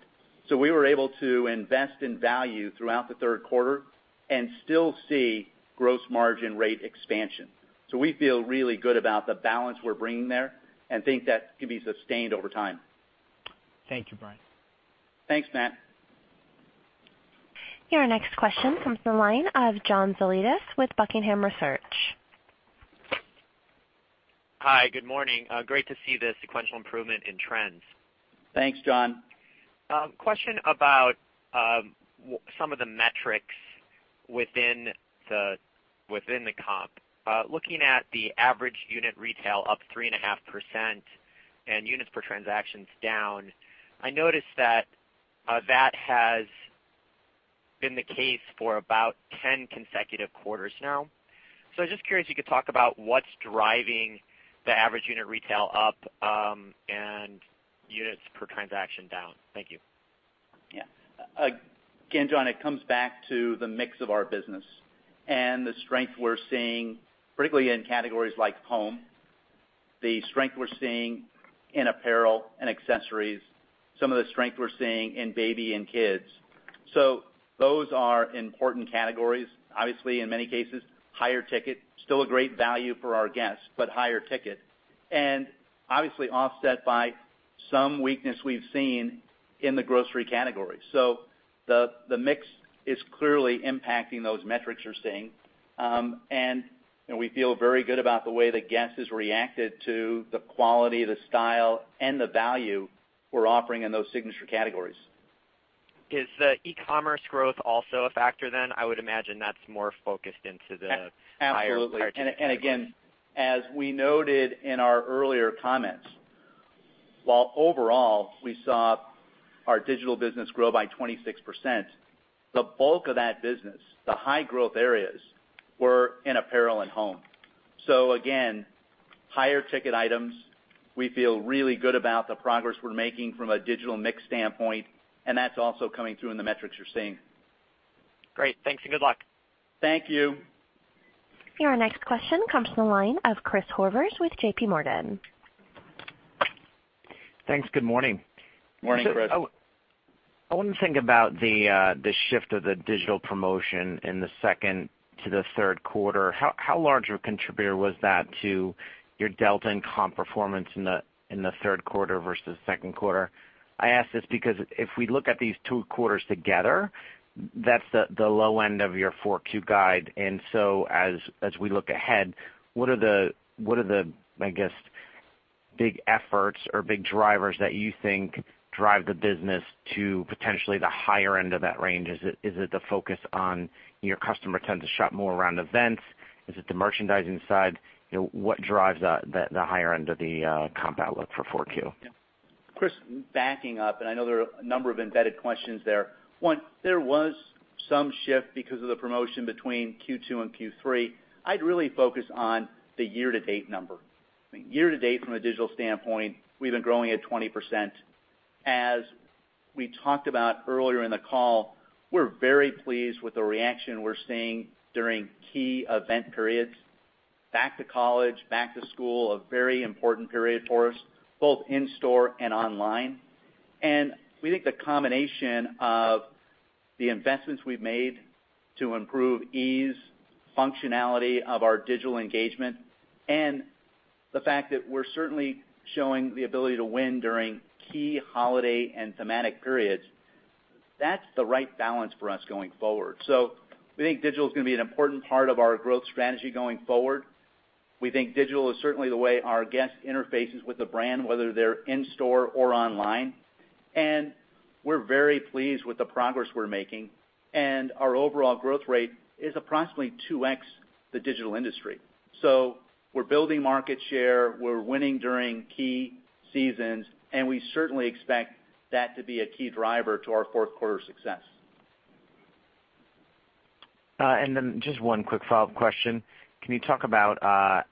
We were able to invest in value throughout the third quarter and still see gross margin rate expansion. We feel really good about the balance we're bringing there and think that can be sustained over time. Thank you, Brian. Thanks, Matt. Your next question comes from the line of John Zolidis with Buckingham Research. Hi, good morning. Great to see the sequential improvement in trends. Thanks, John. Question about some of the metrics within the comp. Looking at the average unit retail up 3.5% and units per transaction down, I noticed that has been the case for about 10 consecutive quarters now. Just curious if you could talk about what's driving the average unit retail up and units per transaction down. Thank you. Yeah. Again, John, it comes back to the mix of our business and the strength we're seeing, particularly in categories like home. The strength we're seeing in apparel and accessories, some of the strength we're seeing in baby and kids. Those are important categories. Obviously, in many cases, higher ticket, still a great value for our guests, but higher ticket. Obviously offset by some weakness we've seen in the grocery category. The mix is clearly impacting those metrics you're seeing. We feel very good about the way the guest has reacted to the quality, the style, and the value we're offering in those signature categories. Is the e-commerce growth also a factor then? I would imagine that's more focused into the higher ticket. Absolutely. Again, as we noted in our earlier comments, while overall we saw our digital business grow by 26%, the bulk of that business, the high growth areas, were in apparel and home. Again, higher ticket items, we feel really good about the progress we're making from a digital mix standpoint, and that's also coming through in the metrics you're seeing. Great. Thanks, and good luck. Thank you. Your next question comes from the line of Chris Horvers with JPMorgan. Thanks. Good morning. Morning, Chris. I want to think about the shift of the digital promotion in the second to the third quarter. How large a contributor was that to your delta and comp performance in the third quarter versus second quarter? I ask this because if we look at these two quarters together, that's the low end of your four Q guide. As we look ahead, what are the, I guess, big efforts or big drivers that you think drive the business to potentially the higher end of that range? Is it the focus on your customer tends to shop more around events? Is it the merchandising side? What drives the higher end of the comp outlook for four Q? Chris, backing up, I know there are a number of embedded questions there. One, there was some shift because of the promotion between Q2 and Q3. I'd really focus on the year-to-date number. Year-to-date from a digital standpoint, we've been growing at 20%. As we talked about earlier in the call, we're very pleased with the reaction we're seeing during key event periods. Back to college, back to school, a very important period for us, both in store and online. We think the combination of the investments we've made to improve ease, functionality of our digital engagement, and the fact that we're certainly showing the ability to win during key holiday and thematic periods, that's the right balance for us going forward. We think digital is going to be an important part of our growth strategy going forward. We think digital is certainly the way our guest interfaces with the brand, whether they're in store or online. We're very pleased with the progress we're making. Our overall growth rate is approximately 2x the digital industry. We're building market share, we're winning during key seasons, and we certainly expect that to be a key driver to our fourth quarter success. Just one quick follow-up question. Can you talk about I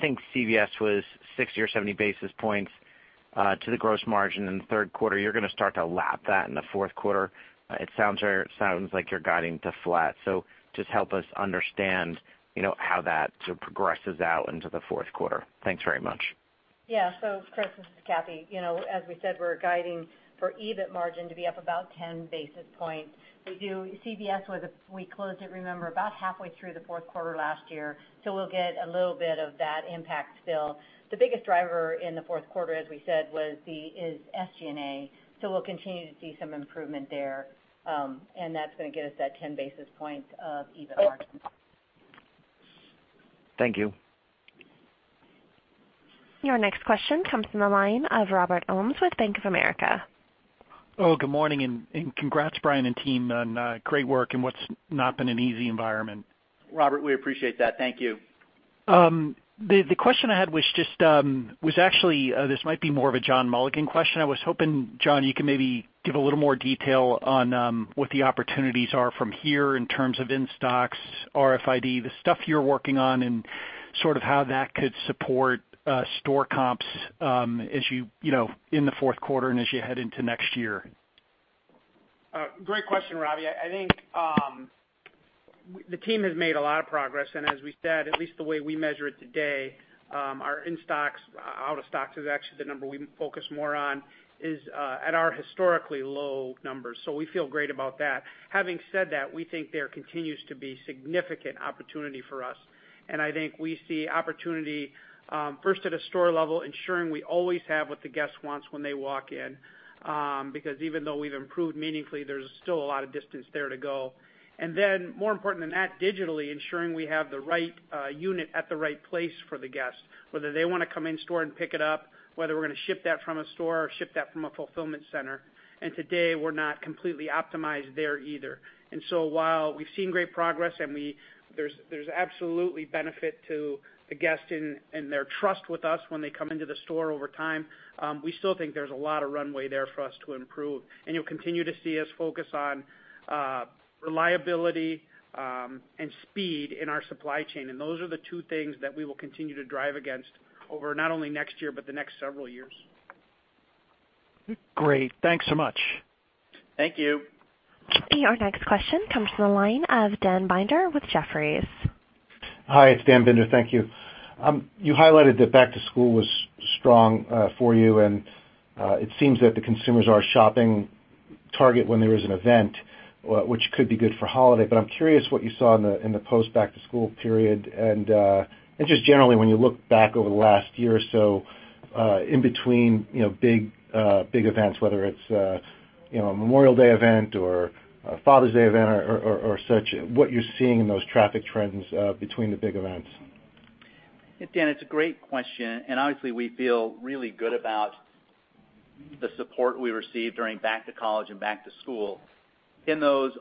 think CVS was 60 or 70 basis points to the gross margin in the third quarter. You're going to start to lap that in the fourth quarter. It sounds like you're guiding to flat. Just help us understand how that sort of progresses out into the fourth quarter. Thanks very much. Chris, this is Cathy. As we said, we're guiding for EBIT margin to be up about 10 basis points. CVS, we closed it, remember, about halfway through the fourth quarter last year. We'll get a little bit of that impact still. The biggest driver in the fourth quarter, as we said, is SG&A. We'll continue to see some improvement there. That's going to get us that 10 basis points of EBIT margin. Thank you. Your next question comes from the line of Robert Ohmes with Bank of America. Good morning, congrats, Brian and team on great work in what's not been an easy environment. Robert, we appreciate that. Thank you. The question I had was actually, this might be more of a John Mulligan question. I was hoping, John, you can maybe give a little more detail on what the opportunities are from here in terms of in-stocks, RFID, the stuff you're working on and sort of how that could support store comps in the fourth quarter and as you head into next year. Great question, Robbie. I think the team has made a lot of progress. As we said, at least the way we measure it today our in-stocks, out-of-stocks is actually the number we focus more on, is at our historically low numbers. We feel great about that. Having said that, we think there continues to be significant opportunity for us. I think we see opportunity first at a store level, ensuring we always have what the guest wants when they walk in. Even though we've improved meaningfully, there's still a lot of distance there to go. Then more important than that, digitally ensuring we have the right unit at the right place for the guest, whether they want to come in store and pick it up, whether we're going to ship that from a store or ship that from a fulfillment center. Today, we're not completely optimized there either. While we've seen great progress and there's absolutely benefit to the guest and their trust with us when they come into the store over time, we still think there's a lot of runway there for us to improve. You'll continue to see us focus on reliability and speed in our supply chain. Those are the two things that we will continue to drive against over not only next year, but the next several years. Great. Thanks so much. Thank you. Our next question comes from the line of Dan Binder with Jefferies. Hi, it's Dan Binder. Thank you. You highlighted that back to school was strong for you, and it seems that the consumers are shopping Target when there is an event, which could be good for holiday. I'm curious what you saw in the post back to school period and just generally when you look back over the last year or so in between big events, whether it's a Memorial Day event or a Father's Day event or such, what you're seeing in those traffic trends between the big events. Dan, it's a great question, and obviously we feel really good about the support we received during back to college and back to school. In those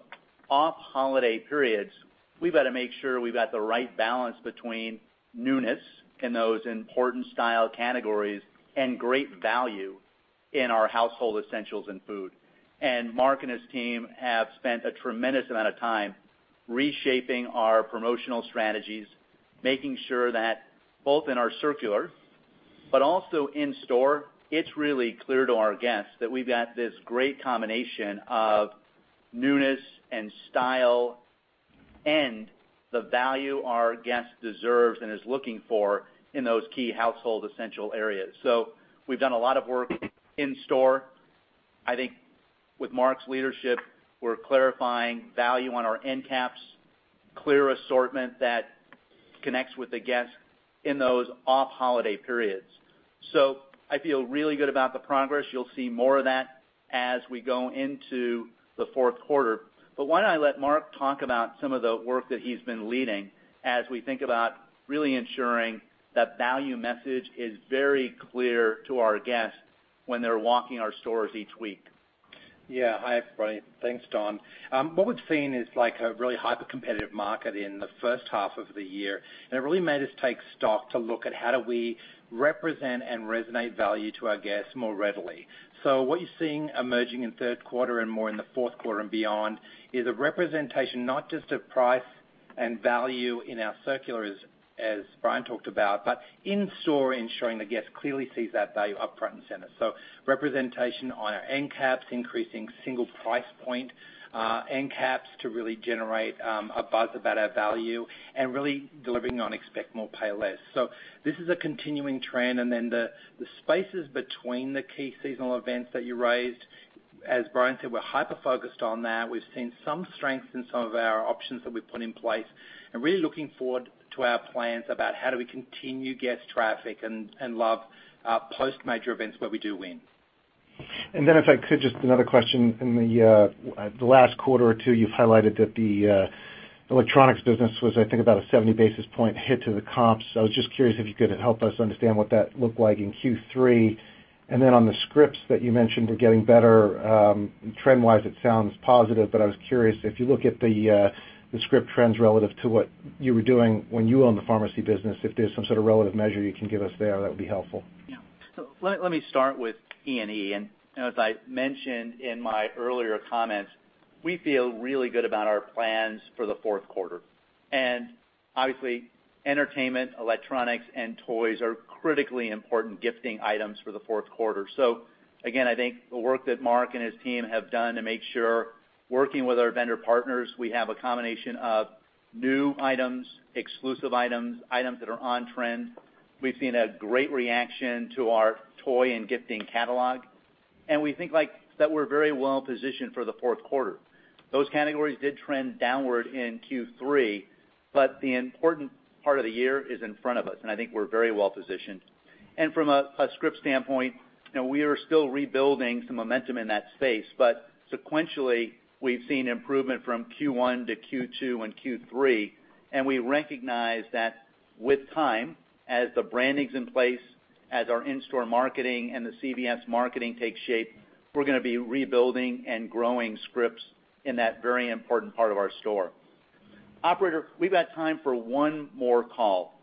off holiday periods, we've got to make sure we've got the right balance between newness in those important style categories and great value in our household essentials and food. Mark and his team have spent a tremendous amount of time reshaping our promotional strategies, making sure that both in our circular, but also in store, it's really clear to our guests that we've got this great combination of newness and style and the value our guest deserves and is looking for in those key household essential areas. We've done a lot of work in store. I think with Mark's leadership, we're clarifying value on our end caps, clear assortment that connects with the guest in those off holiday periods. I feel really good about the progress. You'll see more of that as we go into the fourth quarter. Why don't I let Mark talk about some of the work that he's been leading as we think about really ensuring that value message is very clear to our guests when they're walking our stores each week. Yeah. Hi, Brian. Thanks, Dan. What we've seen is like a really hyper-competitive market in the first half of the year, and it really made us take stock to look at how do we represent and resonate value to our guests more readily. What you're seeing emerging in third quarter and more in the fourth quarter and beyond is a representation not just of price and value in our circulars, as Brian talked about, but in-store ensuring the guest clearly sees that value up front and center. Representation on our end caps, increasing single price point end caps to really generate a buzz about our value and really delivering on Expect More, Pay Less. This is a continuing trend. The spaces between the key seasonal events that you raised, as Brian said, we're hyper-focused on that. We've seen some strength in some of our options that we've put in place and really looking forward to our plans about how do we continue guest traffic and love post major events where we do win. Then if I could, just another question. In the last quarter or two, you've highlighted that the electronics business was, I think, about a 70 basis point hit to the comps. I was just curious if you could help us understand what that looked like in Q3. Then on the scripts that you mentioned were getting better. Trend-wise, it sounds positive, but I was curious if you look at the script trends relative to what you were doing when you owned the pharmacy business, if there's some sort of relative measure you can give us there, that would be helpful. Yeah. Let me start with E&E. As I mentioned in my earlier comments, we feel really good about our plans for the fourth quarter. Obviously, entertainment, electronics, and toys are critically important gifting items for the fourth quarter. Again, I think the work that Mark and his team have done to make sure working with our vendor partners, we have a combination of new items, exclusive items that are on trend. We've seen a great reaction to our toy and gifting catalog, and we think that we're very well positioned for the fourth quarter. Those categories did trend downward in Q3, but the important part of the year is in front of us, and I think we're very well positioned. From a script standpoint, we are still rebuilding some momentum in that space. Sequentially, we've seen improvement from Q1 to Q2 and Q3, and we recognize that with time, as the branding's in place, as our in-store marketing and the CVS marketing takes shape, we're going to be rebuilding and growing scripts in that very important part of our store. Operator, we've got time for one more call.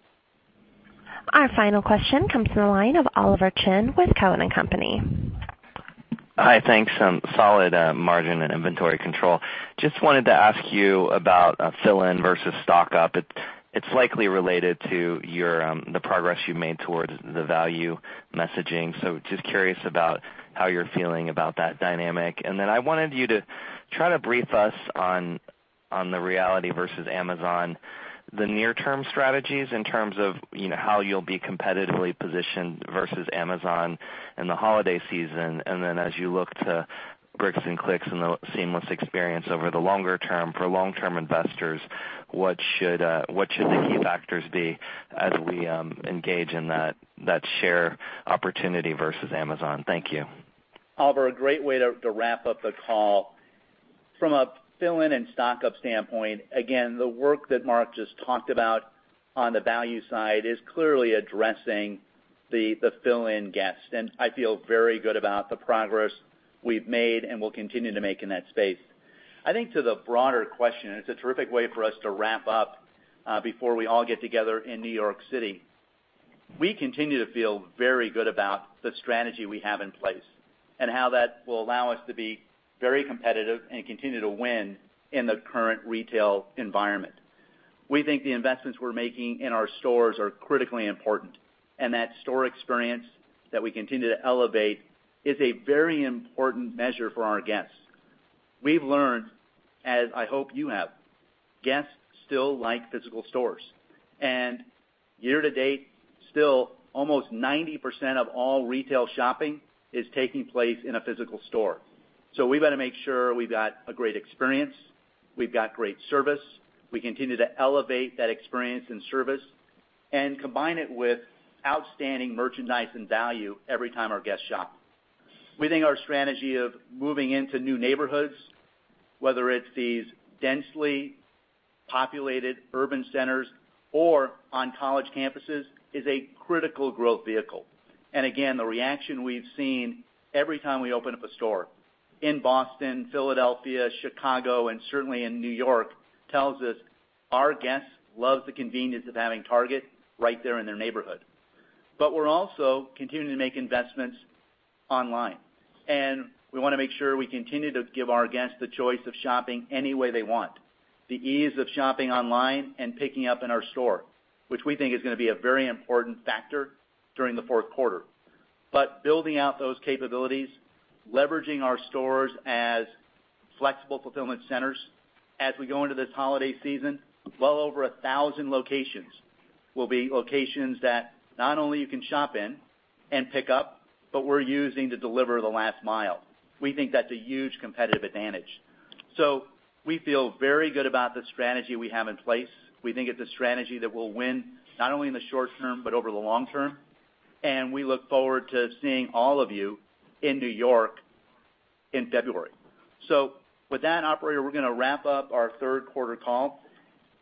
Our final question comes from the line of Oliver Chen with Cowen and Company. Hi. Thanks. Solid margin and inventory control. Just wanted to ask you about fill-in versus stock-up. It's likely related to the progress you've made towards the value messaging. Just curious about how you're feeling about that dynamic. I wanted you to try to brief us on the reality versus Amazon, the near term strategies in terms of how you'll be competitively positioned versus Amazon in the holiday season. As you look to bricks and clicks and the seamless experience over the longer term for long-term investors, what should the key factors be as we engage in that share opportunity versus Amazon? Thank you. Oliver, a great way to wrap up the call. From a fill-in and stock-up standpoint, again, the work that Mark just talked about on the value side is clearly addressing the fill-in guest. I feel very good about the progress we've made and will continue to make in that space. I think to the broader question, it's a terrific way for us to wrap up before we all get together in New York City. We continue to feel very good about the strategy we have in place and how that will allow us to be very competitive and continue to win in the current retail environment. We think the investments we're making in our stores are critically important, and that store experience that we continue to elevate is a very important measure for our guests. We've learned, as I hope you have, guests still like physical stores. Year to date, still almost 90% of all retail shopping is taking place in a physical store. We've got to make sure we've got a great experience, we've got great service, we continue to elevate that experience and service, and combine it with outstanding merchandise and value every time our guests shop. We think our strategy of moving into new neighborhoods, whether it's these densely populated urban centers or on college campuses, is a critical growth vehicle. Again, the reaction we've seen every time we open up a store in Boston, Philadelphia, Chicago, and certainly in New York, tells us our guests love the convenience of having Target right there in their neighborhood. We're also continuing to make investments online. We want to make sure we continue to give our guests the choice of shopping any way they want. The ease of shopping online and picking up in our store, which we think is going to be a very important factor during the fourth quarter. Building out those capabilities, leveraging our stores as flexible fulfillment centers as we go into this holiday season, well over 1,000 locations will be locations that not only you can shop in and pick up, but we're using to deliver the last mile. We think that's a huge competitive advantage. We feel very good about the strategy we have in place. We think it's a strategy that will win not only in the short term but over the long term. We look forward to seeing all of you in New York in February. With that, operator, we're going to wrap up our third quarter call.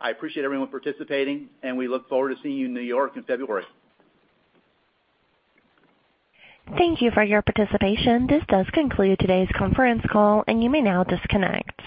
I appreciate everyone participating, and we look forward to seeing you in New York in February. Thank you for your participation. This does conclude today's conference call, and you may now disconnect.